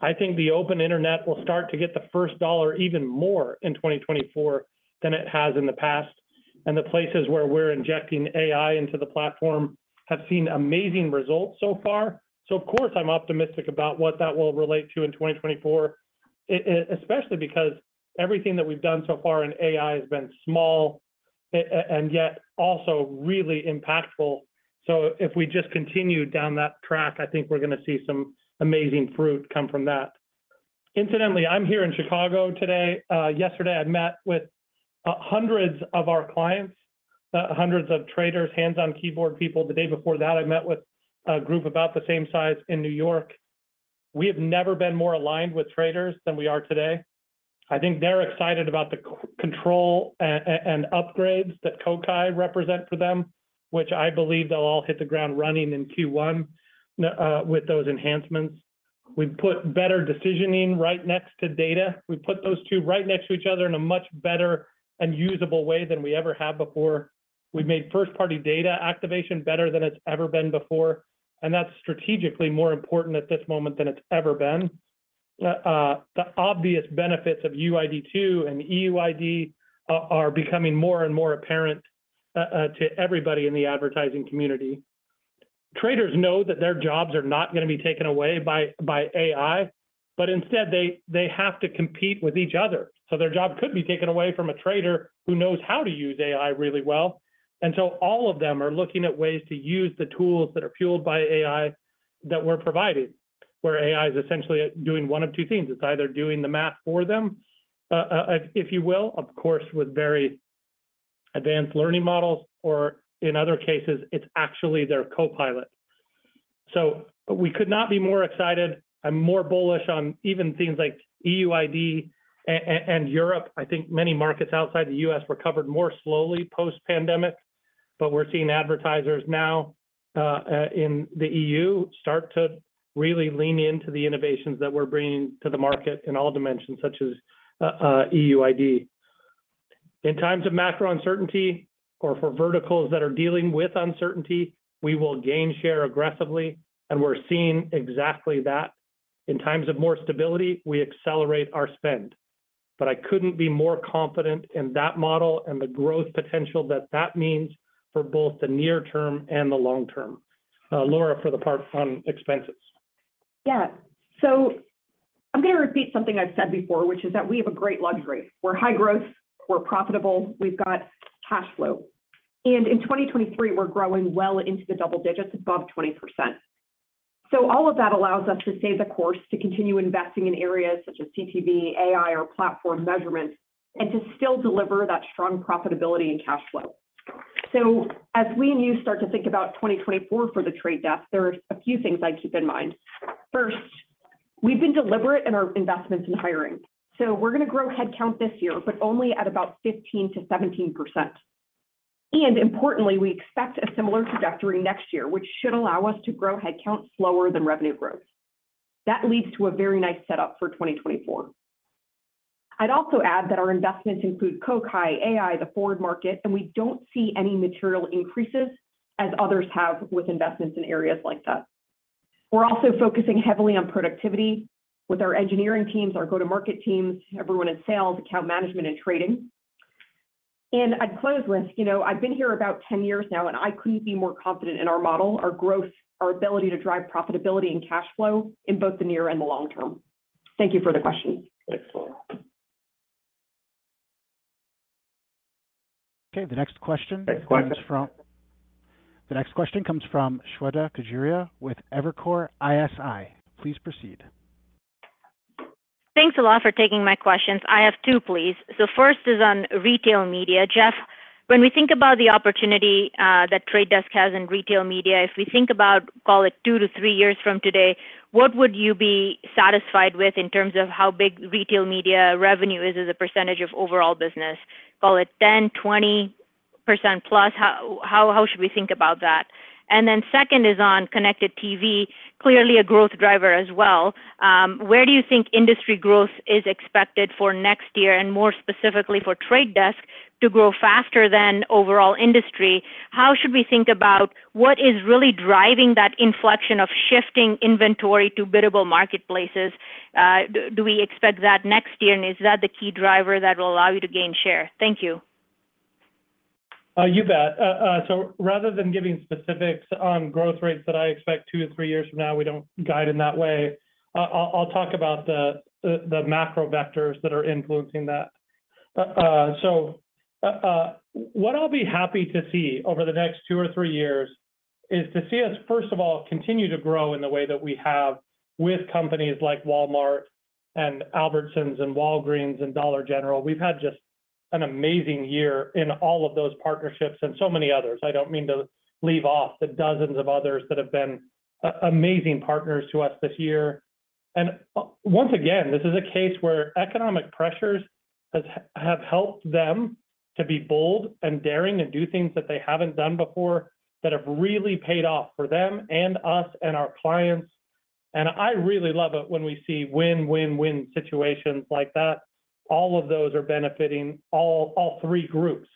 I think the open internet will start to get the first dollar even more in 2024 than it has in the past, and the places where we're injecting AI into the platform have seen amazing results so far. So of course, I'm optimistic about what that will relate to in 2024, especially because everything that we've done so far in AI has been small, and yet also really impactful. So if we just continue down that track, I think we're gonna see some amazing fruit come from that. Incidentally, I'm here in Chicago today. Yesterday, I met with hundreds of our clients, hundreds of traders, hands-on-keyboard people. The day before that, I met with a group about the same size in New York. We have never been more aligned with traders than we are today. I think they're excited about the control and upgrades that Kokai represent for them, which I believe they'll all hit the ground running in Q1 with those enhancements. We've put better decisioning right next to data. We put those two right next to each other in a much better and usable way than we ever have before. We've made first-party data activation better than it's ever been before, and that's strategically more important at this moment than it's ever been. The obvious benefits of UID2 and EUID are becoming more and more apparent to everybody in the advertising community. Traders know that their jobs are not gonna be taken away by AI, but instead, they have to compete with each other. So their job could be taken away from a trader who knows how to use AI really well. And so all of them are looking at ways to use the tools that are fueled by AI that we're providing, where AI is essentially doing one of two things. It's either doing the math for them, if you will, of course, with very advanced learning models, or in other cases, it's actually their co-pilot. So we could not be more excited. I'm more bullish on even things like EUID and Europe. I think many markets outside the U.S. recovered more slowly post-pandemic, but we're seeing advertisers now, in the EU, start to really lean into the innovations that we're bringing to the market in all dimensions, such as, EUID. In times of macro uncertainty or for verticals that are dealing with uncertainty, we will gain share aggressively, and we're seeing exactly that. In times of more stability, we accelerate our spend. But I couldn't be more confident in that model and the growth potential that that means for both the near term and the long term. Laura, for the part on expenses. Yeah. So I'm gonna repeat something I've said before, which is that we have a great luxury. We're high growth, we're profitable, we've got cash flow, and in 2023, we're growing well into the double digits above 20%. So all of that allows us to stay the course, to continue investing in areas such as CTV, AI, or platform measurement, and to still deliver that strong profitability and cash flow. So as we and you start to think about 2024 for The Trade Desk, there are a few things I'd keep in mind. First, we've been deliberate in our investments in hiring, so we're gonna grow headcount this year, but only at about 15%-17%. And importantly, we expect a similar trajectory next year, which should allow us to grow headcount slower than revenue growth. That leads to a very nice setup for 2024. I'd also add that our investments include Kokai, AI, the Forward Market, and we don't see any material increases as others have with investments in areas like that. We're also focusing heavily on productivity with our engineering teams, our go-to-market teams, everyone in sales, account management, and trading. And I'd close with, you know, I've been here about 10 years now, and I couldn't be more confident in our model, our growth, our ability to drive profitability and cash flow in both the near and the long term. Thank you for the question. Thanks, Laura. Okay, the next question comes from Shweta Khajuria with Evercore ISI. Please proceed. Thanks a lot for taking my questions. I have two, please. So first is on retail media. Jeff, when we think about the opportunity that Trade Desk has in retail media, if we think about, call it 2-3 years from today, what would you be satisfied with in terms of how big retail media revenue is as a percentage of overall business? Call it 10, 20%+, how should we think about that? And then second is on connected TV, clearly a growth driver as well. Where do you think industry growth is expected for next year, and more specifically for Trade Desk to grow faster than overall industry? How should we think about what is really driving that inflection of shifting inventory to biddable marketplaces? Do we expect that next year, and is that the key driver that will allow you to gain share? Thank you. You bet. So rather than giving specifics on growth rates that I expect 2-3 years from now, we don't guide in that way, I'll talk about the macro vectors that are influencing that. So, what I'll be happy to see over the next 2-3 years is to see us, first of all, continue to grow in the way that we have with companies like Walmart, and Albertsons, and Walgreens, and Dollar General. We've had just an amazing year in all of those partnerships and so many others. I don't mean to leave off the dozens of others that have been amazing partners to us this year. Once again, this is a case where economic pressures have helped them to be bold and daring, and do things that they haven't done before, that have really paid off for them, and us, and our clients. I really love it when we see win-win-win situations like that. All of those are benefiting all, all three groups: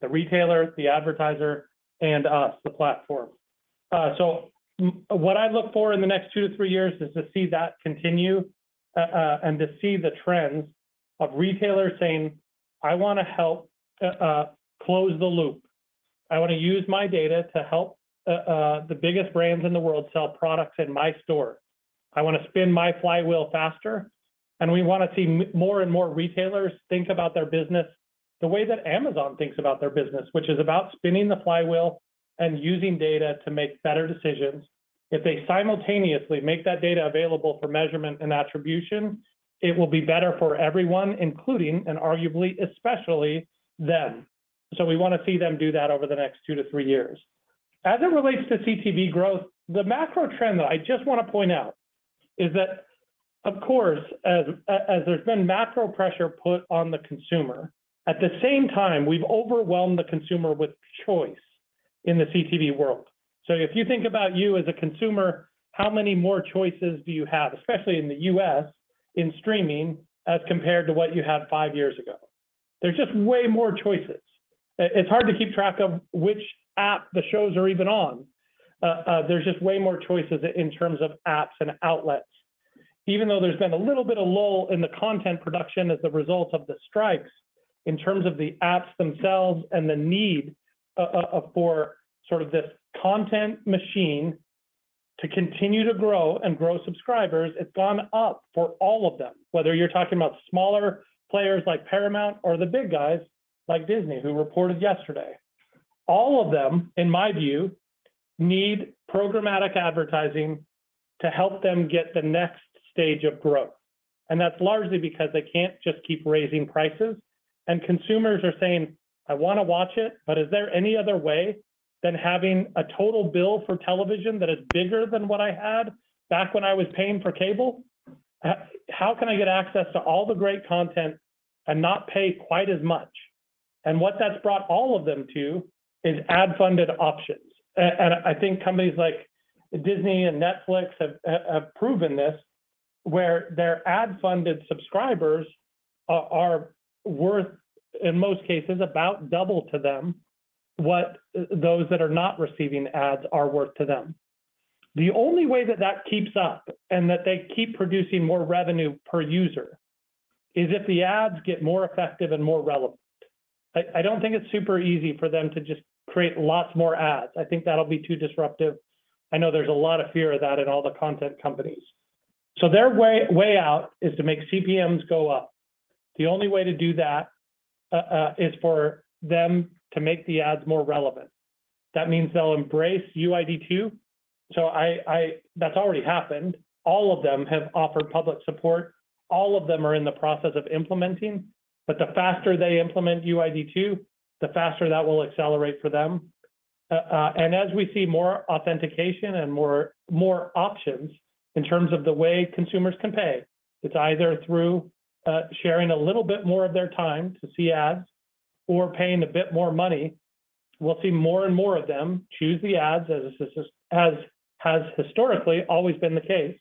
the retailer, the advertiser, and us, the platform. So, what I look for in the next two to three years, is to see that continue, and to see the trends of retailers saying, "I wanna help, close the loop. I wanna use my data to help, the biggest brands in the world sell products in my store. I wanna spin my flywheel faster." And we wanna see more and more retailers think about their business the way that Amazon thinks about their business, which is about spinning the flywheel and using data to make better decisions. If they simultaneously make that data available for measurement and attribution, it will be better for everyone, including, and arguably, especially them. So we wanna see them do that over the next 2-3 years. As it relates to CTV growth, the macro trend that I just wanna point out is that, of course, as there's been macro pressure put on the consumer, at the same time, we've overwhelmed the consumer with choice in the CTV world. So if you think about you as a consumer, how many more choices do you have, especially in the U.S., in streaming, as compared to what you had five years ago? There's just way more choices. It's hard to keep track of which app the shows are even on. There's just way more choices in terms of apps and outlets. Even though there's been a little bit of lull in the content production as a result of the strikes, in terms of the apps themselves and the need, for sort of this content machine to continue to grow and grow subscribers, it's gone up for all of them, whether you're talking about smaller players like Paramount, or the big guys like Disney, who reported yesterday. All of them, in my view, need programmatic advertising to help them get the next stage of growth. And that's largely because they can't just keep raising prices, and consumers are saying, "I wanna watch it, but is there any other way than having a total bill for television that is bigger than what I had back when I was paying for cable? How can I get access to all the great content and not pay quite as much?" And what that's brought all of them to, is ad-funded options. And I think companies like Disney and Netflix have, have, have proven this, where their ad-funded subscribers are, are worth, in most cases, about double to them, what, those that are not receiving ads are worth to them. The only way that that keeps up and that they keep producing more revenue per user, is if the ads get more effective and more relevant. I don't think it's super easy for them to just create lots more ads. I think that'll be too disruptive. I know there's a lot of fear of that in all the content companies. So their way out is to make CPMs go up. The only way to do that is for them to make the ads more relevant. That means they'll embrace UID2. So that's already happened. All of them have offered public support. All of them are in the process of implementing. But the faster they implement UID2, the faster that will accelerate for them. And as we see more authentication and more options in terms of the way consumers can pay, it's either through sharing a little bit more of their time to see ads or paying a bit more money. We'll see more and more of them choose the ads, as historically, always been the case.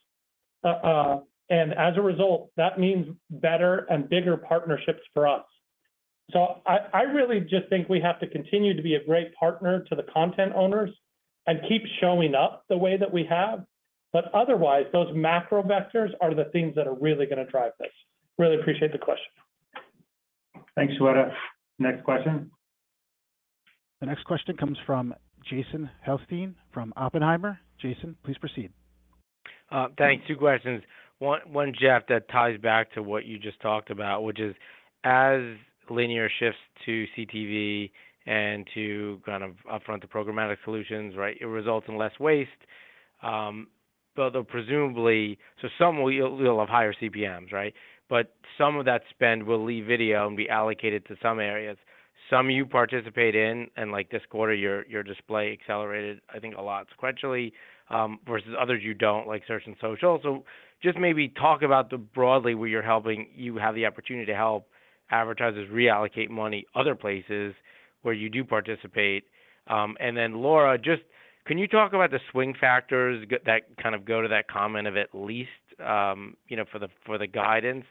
And as a result, that means better and bigger partnerships for us. So I really just think we have to continue to be a great partner to the content owners, and keep showing up the way that we have. But otherwise, those macro vectors are the things that are really gonna drive this. Really appreciate the question. Thanks, Shweta. Next question. The next question comes from Jason Helfstein, from Oppenheimer. Jason, please proceed. Thanks. Two questions. One, Jeff, that ties back to what you just talked about, which is, as linear shifts to CTV and to kind of upfront the programmatic solutions, right, it results in less waste. But though presumably... So some will have higher CPMs, right? But some of that spend will leave video and be allocated to some areas. Some you participate in, and like this quarter, your display accelerated, I think, a lot sequentially, versus others you don't, like search and social. So just maybe talk about the broadly, where you're helping- you have the opportunity to help advertisers reallocate money, other places where you do participate. And then, Laura, just... Can you talk about the swing factors that kind of go to that comment of at least, you know, for the guidance?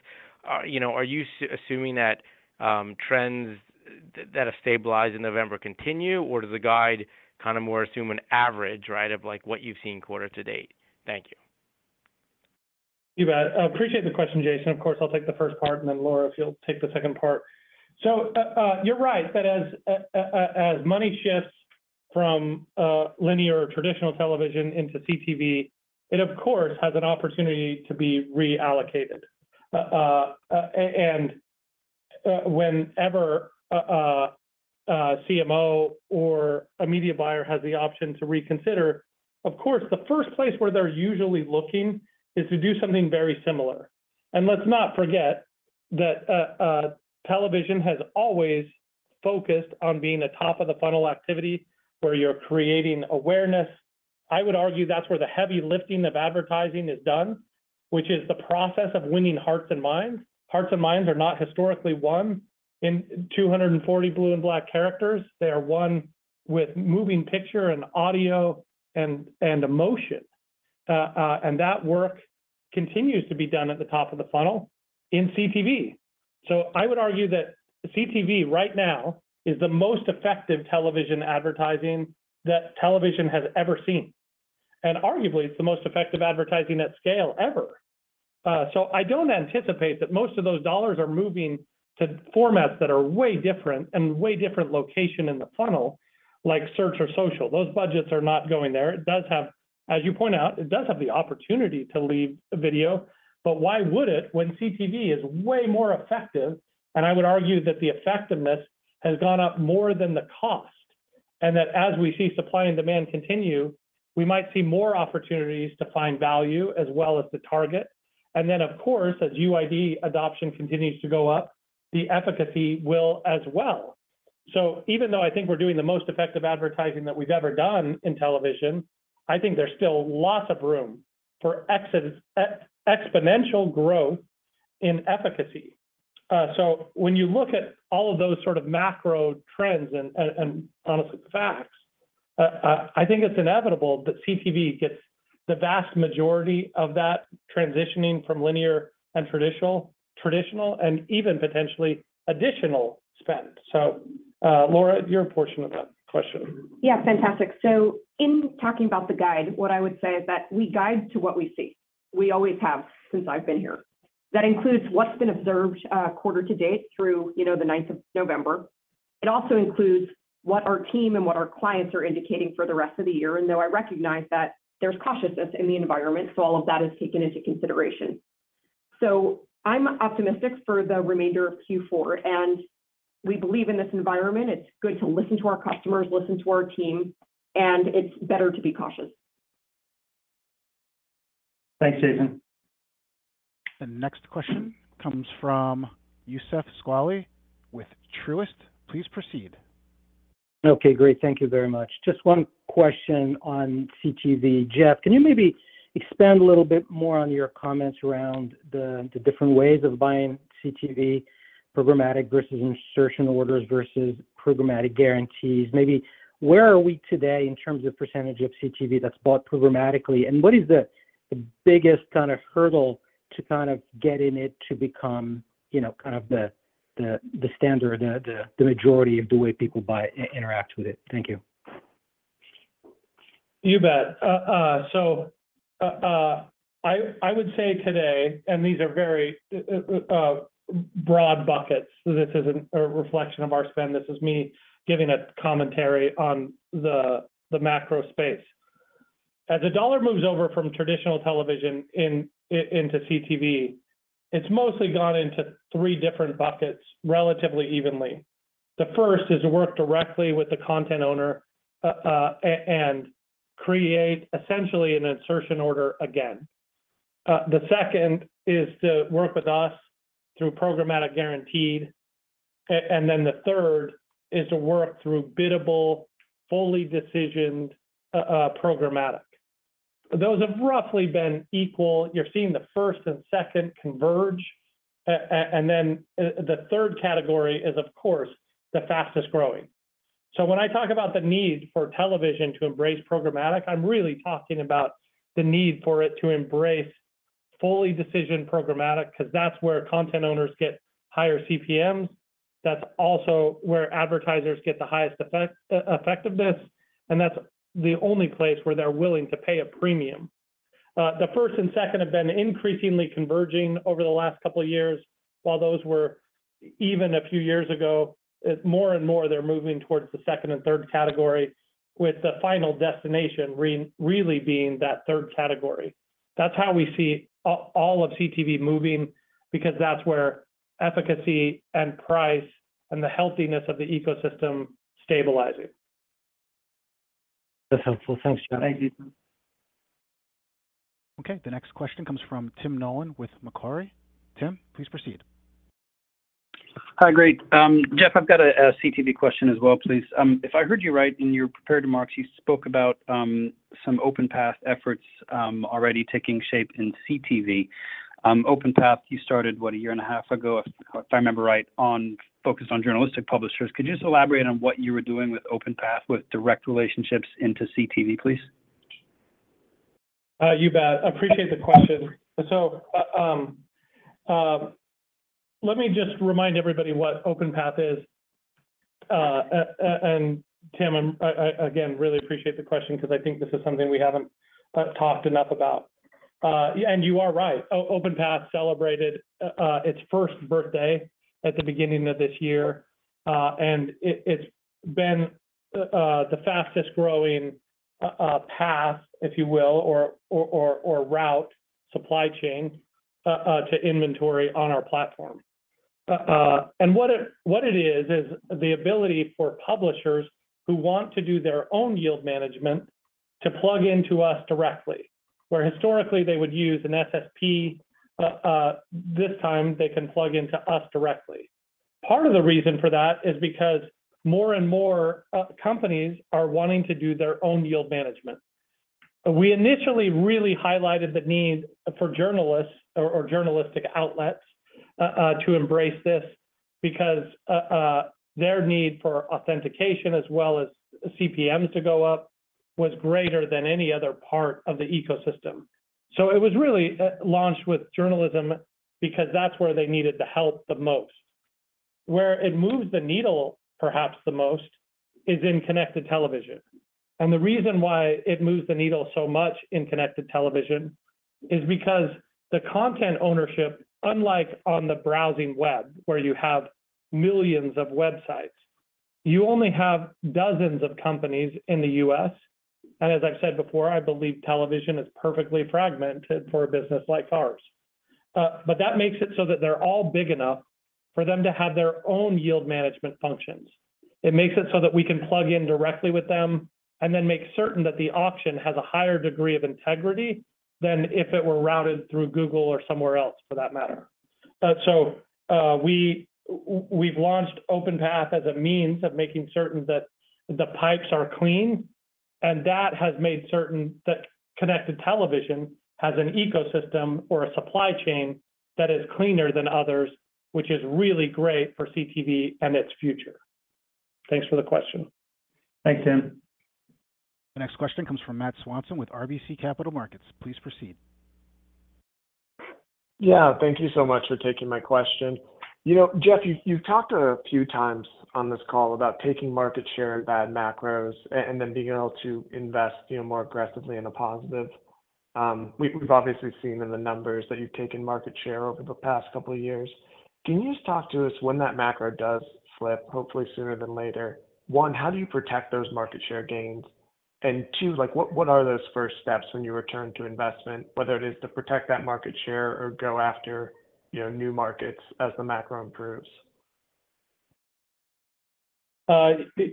You know, are you assuming that trends that have stabilized in November continue, or does the guide kind of more assume an average, right, of like what you've seen quarter to date? Thank you. You bet. I appreciate the question, Jason. Of course, I'll take the first part, and then Laura, if you'll take the second part. So, you're right, that as money shifts from linear traditional television into CTV, it of course has an opportunity to be reallocated. And whenever a CMO or a media buyer has the option to reconsider, of course the first place where they're usually looking is to do something very similar. And let's not forget that television has always focused on being a top-of-the-funnel activity, where you're creating awareness. I would argue that's where the heavy lifting of advertising is done, which is the process of winning hearts and minds. Hearts and minds are not historically won in 240 blue-and-black characters. They are won with moving picture, and audio, and, and emotion. And that work continues to be done at the top of the funnel in CTV. So I would argue that CTV, right now, is the most effective television advertising that television has ever seen, and arguably it's the most effective advertising at scale ever. So I don't anticipate that most of those dollars are moving to formats that are way different, and way different location in the funnel, like search or social. Those budgets are not going there. It does have, as you point out, it does have the opportunity to leave the video, but why would it when CTV is way more effective? I would argue that the effectiveness has gone up more than the cost, and that as we see supply and demand continue, we might see more opportunities to find value as well as the target. And then, of course, as UID adoption continues to go up, the efficacy will as well. So even though I think we're doing the most effective advertising that we've ever done in television, I think there's still lots of room for exponential growth in efficacy. So when you look at all of those sort of macro trends and honestly, the facts, I think it's inevitable that CTV gets the vast majority of that transitioning from linear and traditional, and even potentially additional spend. So, Laura, your portion of that question. Yeah, fantastic. So in talking about the guide, what I would say is that we guide to what we see. We always have since I've been here. That includes what's been observed, quarter to date through, you know, the ninth of November. It also includes what our team and what our clients are indicating for the rest of the year, and though I recognize that there's cautiousness in the environment, so all of that is taken into consideration. So I'm optimistic for the remainder of Q4, and we believe in this environment. It's good to listen to our customers, listen to our team, and it's better to be cautious. Thanks, Jason. The next question comes from Youssef Squali with Truist. Please proceed. Okay, great. Thank you very much. Just one question on CTV. Jeff, can you maybe expand a little bit more on your comments around the, the different ways of buying CTV programmatic, versus insertion orders, versus programmatic guarantees? Maybe where are we today in terms of percentage of CTV that's bought programmatically, and what is the, the biggest kind of hurdle to kind of getting it to become, you know, kind of the, the, the standard, the, the, the majority of the way people buy- interact with it? Thank you. You bet. So, I would say today, and these are very broad buckets. This isn't a reflection of our spend; this is me giving a commentary on the macro space. As the dollar moves over from traditional television into CTV, it's mostly gone into three different buckets, relatively evenly. The first is to work directly with the content owner and create essentially an insertion order again. The second is to work with us through Programmatic Guaranteed, and then the third is to work through biddable, fully decisioned programmatic. Those have roughly been equal. You're seeing the first and second converge, and then the third category is, of course, the fastest growing. So when I talk about the need for television to embrace programmatic, I'm really talking about the need for it to embrace fully Decisioned programmatic, 'cause that's where content owners get higher CPMs. That's also where advertisers get the highest effect, effectiveness, and that's the only place where they're willing to pay a premium. The first and second have been increasingly converging over the last couple of years, while those were even a few years ago, more and more, they're moving towards the second and third category, with the final destination really being that third category. That's how we see all of CTV moving, because that's where efficacy and price, and the healthiness of the ecosystem stabilizing. That's helpful. Thanks, Jeff. Thank you. Okay, the next question comes from Tim Nollen with Macquarie. Tim, please proceed. Hi, great. Jeff, I've got a CTV question as well, please. If I heard you right in your prepared remarks, you spoke about some OpenPath efforts already taking shape in CTV. OpenPath, you started, what? A year and a half ago, if I remember right, on focused on journalistic publishers. Could you just elaborate on what you were doing with OpenPath with direct relationships into CTV, please? You bet. I appreciate the question. So, let me just remind everybody what OpenPath is. And Tim, I again really appreciate the question because I think this is something we haven't talked enough about. Yeah, and you are right. OpenPath celebrated its first birthday at the beginning of this year, and it's been the fastest-growing path, if you will, or route supply chain to inventory on our platform. And what it is, is the ability for publishers who want to do their own yield management to plug into us directly, where historically they would use an SSP, this time they can plug into us directly. Part of the reason for that is because more and more companies are wanting to do their own yield management. We initially really highlighted the need for journalists or, or journalistic outlets, to embrace this because their need for authentication, as well as CPMs to go up, was greater than any other part of the ecosystem. So it was really launched with journalism because that's where they needed the help the most. Where it moves the needle, perhaps the most, is in connected television. And the reason why it moves the needle so much in connected television is because the content ownership, unlike on the browsing web, where you have millions of websites, you only have dozens of companies in the U.S. And as I've said before, I believe television is perfectly fragmented for a business like ours. But that makes it so that they're all big enough for them to have their own yield management functions. It makes it so that we can plug in directly with them, and then make certain that the auction has a higher degree of integrity than if it were routed through Google or somewhere else, for that matter. So, we've launched OpenPath as a means of making certain that the pipes are clean, and that has made certain that connected television has an ecosystem or a supply chain that is cleaner than others, which is really great for CTV and its future. Thanks for the question. Thanks, Tim. The next question comes from Matt Swanson with RBC Capital Markets. Please proceed. Yeah, thank you so much for taking my question. You know, Jeff, you've talked a few times on this call about taking market share in bad macros and then being able to invest, you know, more aggressively in a positive. We've obviously seen in the numbers that you've taken market share over the past couple of years. Can you just talk to us when that macro does slip, hopefully sooner than later? One, how do you protect those market share gains? And two, like, what are those first steps when you return to investment, whether it is to protect that market share or go after, you know, new markets as the macro improves?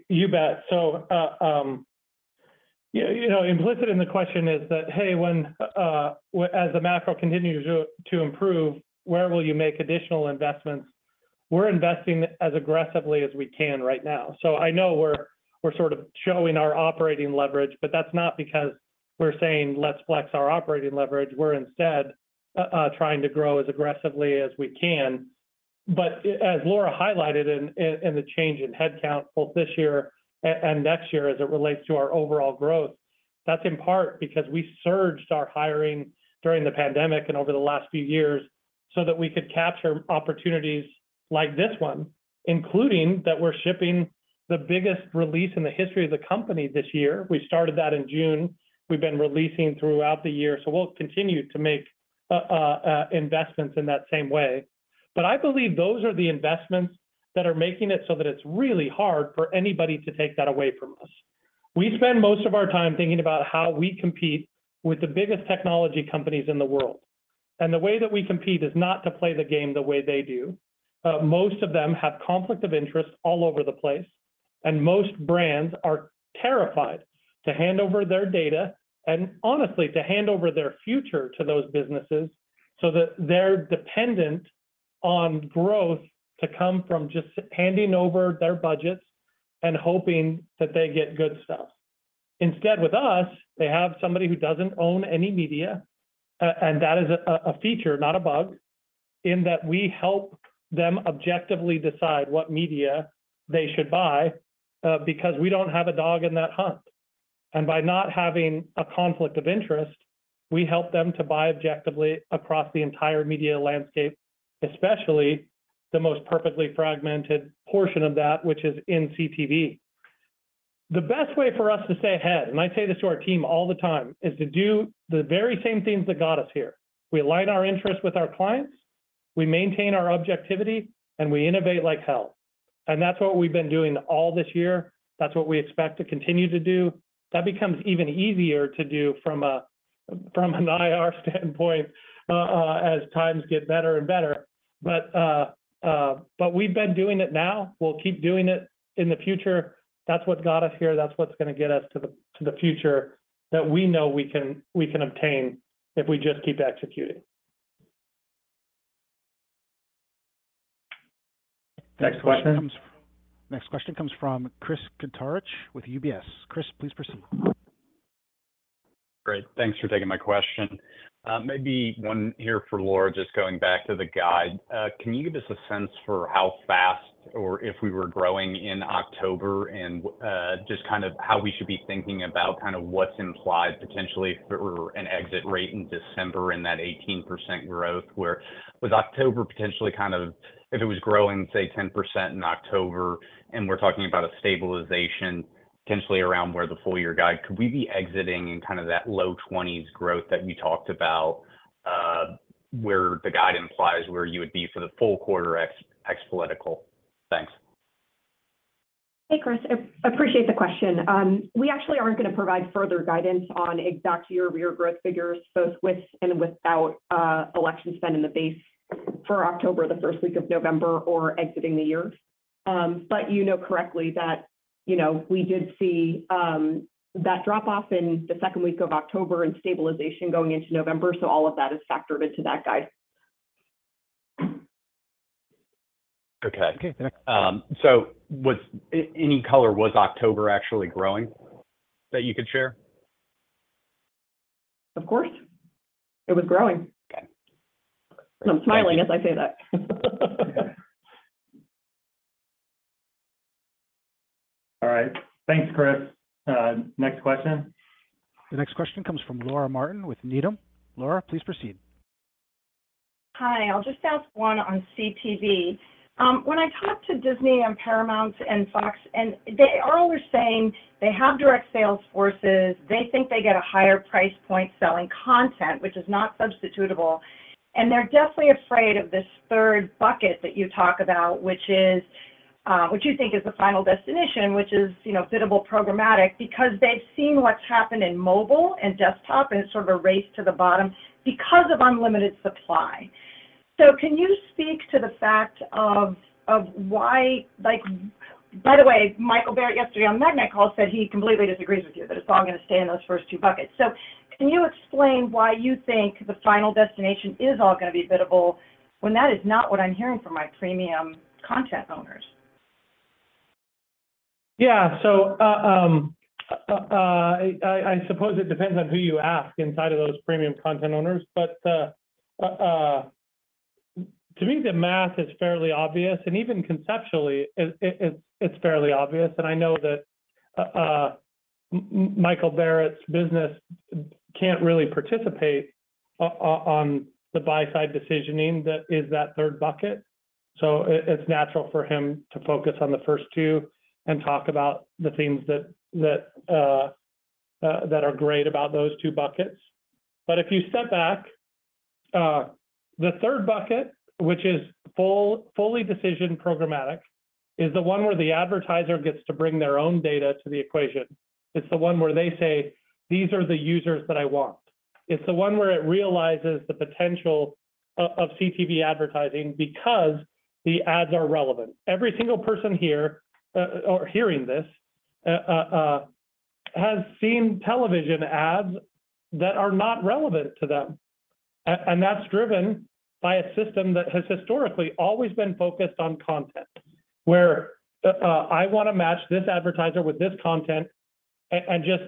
You bet. So, you know, implicit in the question is that, "Hey, when as the macro continues to improve, where will you make additional investments?" We're investing as aggressively as we can right now. So I know we're sort of showing our operating leverage, but that's not because we're saying, "Let's flex our operating leverage." We're instead trying to grow as aggressively as we can. But as Laura highlighted in the change in headcount both this year and next year, as it relates to our overall growth, that's in part because we surged our hiring during the pandemic and over the last few years, so that we could capture opportunities like this one, including that we're shipping the biggest release in the history of the company this year. We started that in June. We've been releasing throughout the year, so we'll continue to make investments in that same way. But I believe those are the investments that are making it so that it's really hard for anybody to take that away from us. We spend most of our time thinking about how we compete with the biggest technology companies in the world, and the way that we compete is not to play the game the way they do. Most of them have conflict of interest all over the place, and most brands are terrified to hand over their data and honestly, to hand over their future to those businesses, so that they're dependent on growth to come from just handing over their budgets and hoping that they get good stuff. Instead, with us, they have somebody who doesn't own any media, and that is a feature, not a bug, in that we help them objectively decide what media they should buy, because we don't have a dog in that hunt. And by not having a conflict of interest, we help them to buy objectively across the entire media landscape, especially the most perfectly fragmented portion of that, which is in CTV. The best way for us to stay ahead, and I say this to our team all the time, is to do the very same things that got us here. We align our interests with our clients, we maintain our objectivity, and we innovate like hell. And that's what we've been doing all this year. That's what we expect to continue to do. That becomes even easier to do from an IR standpoint as times get better and better. But we've been doing it now. We'll keep doing it in the future. That's what got us here. That's what's gonna get us to the future that we know we can obtain if we just keep executing. Next question. Next question comes from Chris Kuntarich with UBS. Chris, please proceed. Great. Thanks for taking my question. Maybe one here for Laura, just going back to the guide. Can you give us a sense for how fast or if we were growing in October and, just kind of how we should be thinking about kind of what's implied potentially if there were an exit rate in December in that 18% growth? Where with October potentially kind of... If it was growing, say, 10% in October, and we're talking about a stabilization potentially around where the full year guide, could we be exiting in kind of that low 20s growth that we talked about, where the guide implies where you would be for the full quarter ex, ex-political? Thanks. Hey, Chris, appreciate the question. We actually aren't gonna provide further guidance on exact year-over-year growth figures, both with and without, election spend in the base for October, the first week of November, or exiting the year. But you know correctly that, you know, we did see, that drop-off in the second week of October and stabilization going into November, so all of that is factored into that guide. Okay. Okay, next. So, any color, was October actually growing, that you could share? Of course. It was growing. Okay. I'm smiling as I say that. All right. Thanks, Chris. Next question. The next question comes from Laura Martin with Needham. Laura, please proceed. Hi, I'll just ask one on CTV. When I talk to Disney and Paramount and Fox, and they all are saying they have direct sales forces, they think they get a higher price point selling content, which is not substitutable. And they're definitely afraid of this third bucket that you talk about, which is which you think is the final destination, which is, you know, biddable programmatic. Because they've seen what's happened in mobile and desktop, and it's sort of a race to the bottom because of unlimited supply. So can you speak to the fact of why like... By the way, Michael Barrett yesterday on the Magnite call said he completely disagrees with you, that it's all gonna stay in those first two buckets. Can you explain why you think the final destination is all gonna be biddable, when that is not what I'm hearing from my premium content owners? Yeah. So, I suppose it depends on who you ask inside of those premium content owners. But, to me, the math is fairly obvious, and even conceptually, it's fairly obvious. And I know that, Michael Barrett's business can't really participate on the buy-side decisioning that is that third bucket. So it's natural for him to focus on the first two and talk about the things that are great about those two buckets. But if you step back, the third bucket, which is fully Decisioned programmatic, is the one where the advertiser gets to bring their own data to the equation. It's the one where they say, "These are the users that I want." It's the one where it realizes the potential of CTV advertising because the ads are relevant. Every single person here, or hearing this, has seen television ads that are not relevant to them. And that's driven by a system that has historically always been focused on content, where, I wanna match this advertiser with this content and just,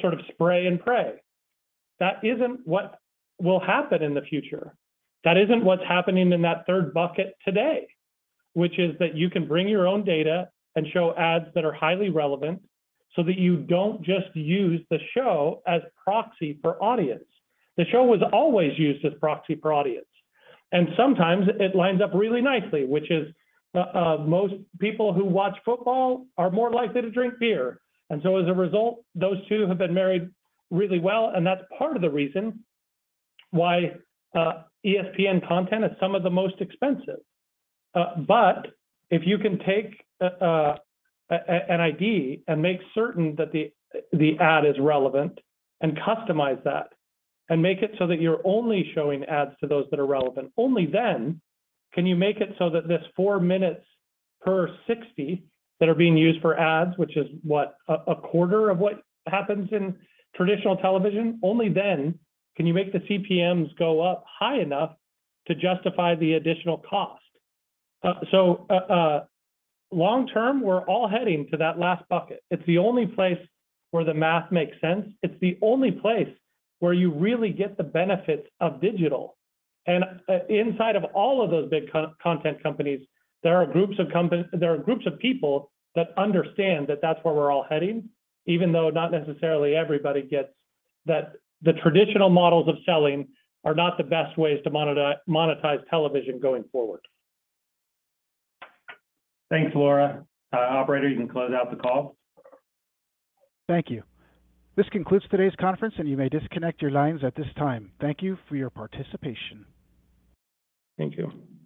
sort of spray and pray. That isn't what will happen in the future. That isn't what's happening in that third bucket today, which is that you can bring your own data and show ads that are highly relevant, so that you don't just use the show as proxy for audience. The show was always used as proxy for audience, and sometimes it lines up really nicely, which is, most people who watch football are more likely to drink beer. As a result, those two have been married really well, and that's part of the reason why ESPN content is some of the most expensive. But if you can take an ID and make certain that the ad is relevant, and customize that, and make it so that you're only showing ads to those that are relevant, only then can you make it so that this 4 minutes per 60 that are being used for ads, which is a quarter of what happens in traditional television. Only then can you make the CPMs go up high enough to justify the additional cost. So, long term, we're all heading to that last bucket. It's the only place where the math makes sense. It's the only place where you really get the benefits of digital. Inside of all of those big content companies, there are groups of people that understand that that's where we're all heading, even though not necessarily everybody gets that the traditional models of selling are not the best ways to monetize television going forward. Thanks, Laura. Operator, you can close out the call. Thank you. This concludes today's conference, and you may disconnect your lines at this time. Thank you for your participation. Thank you.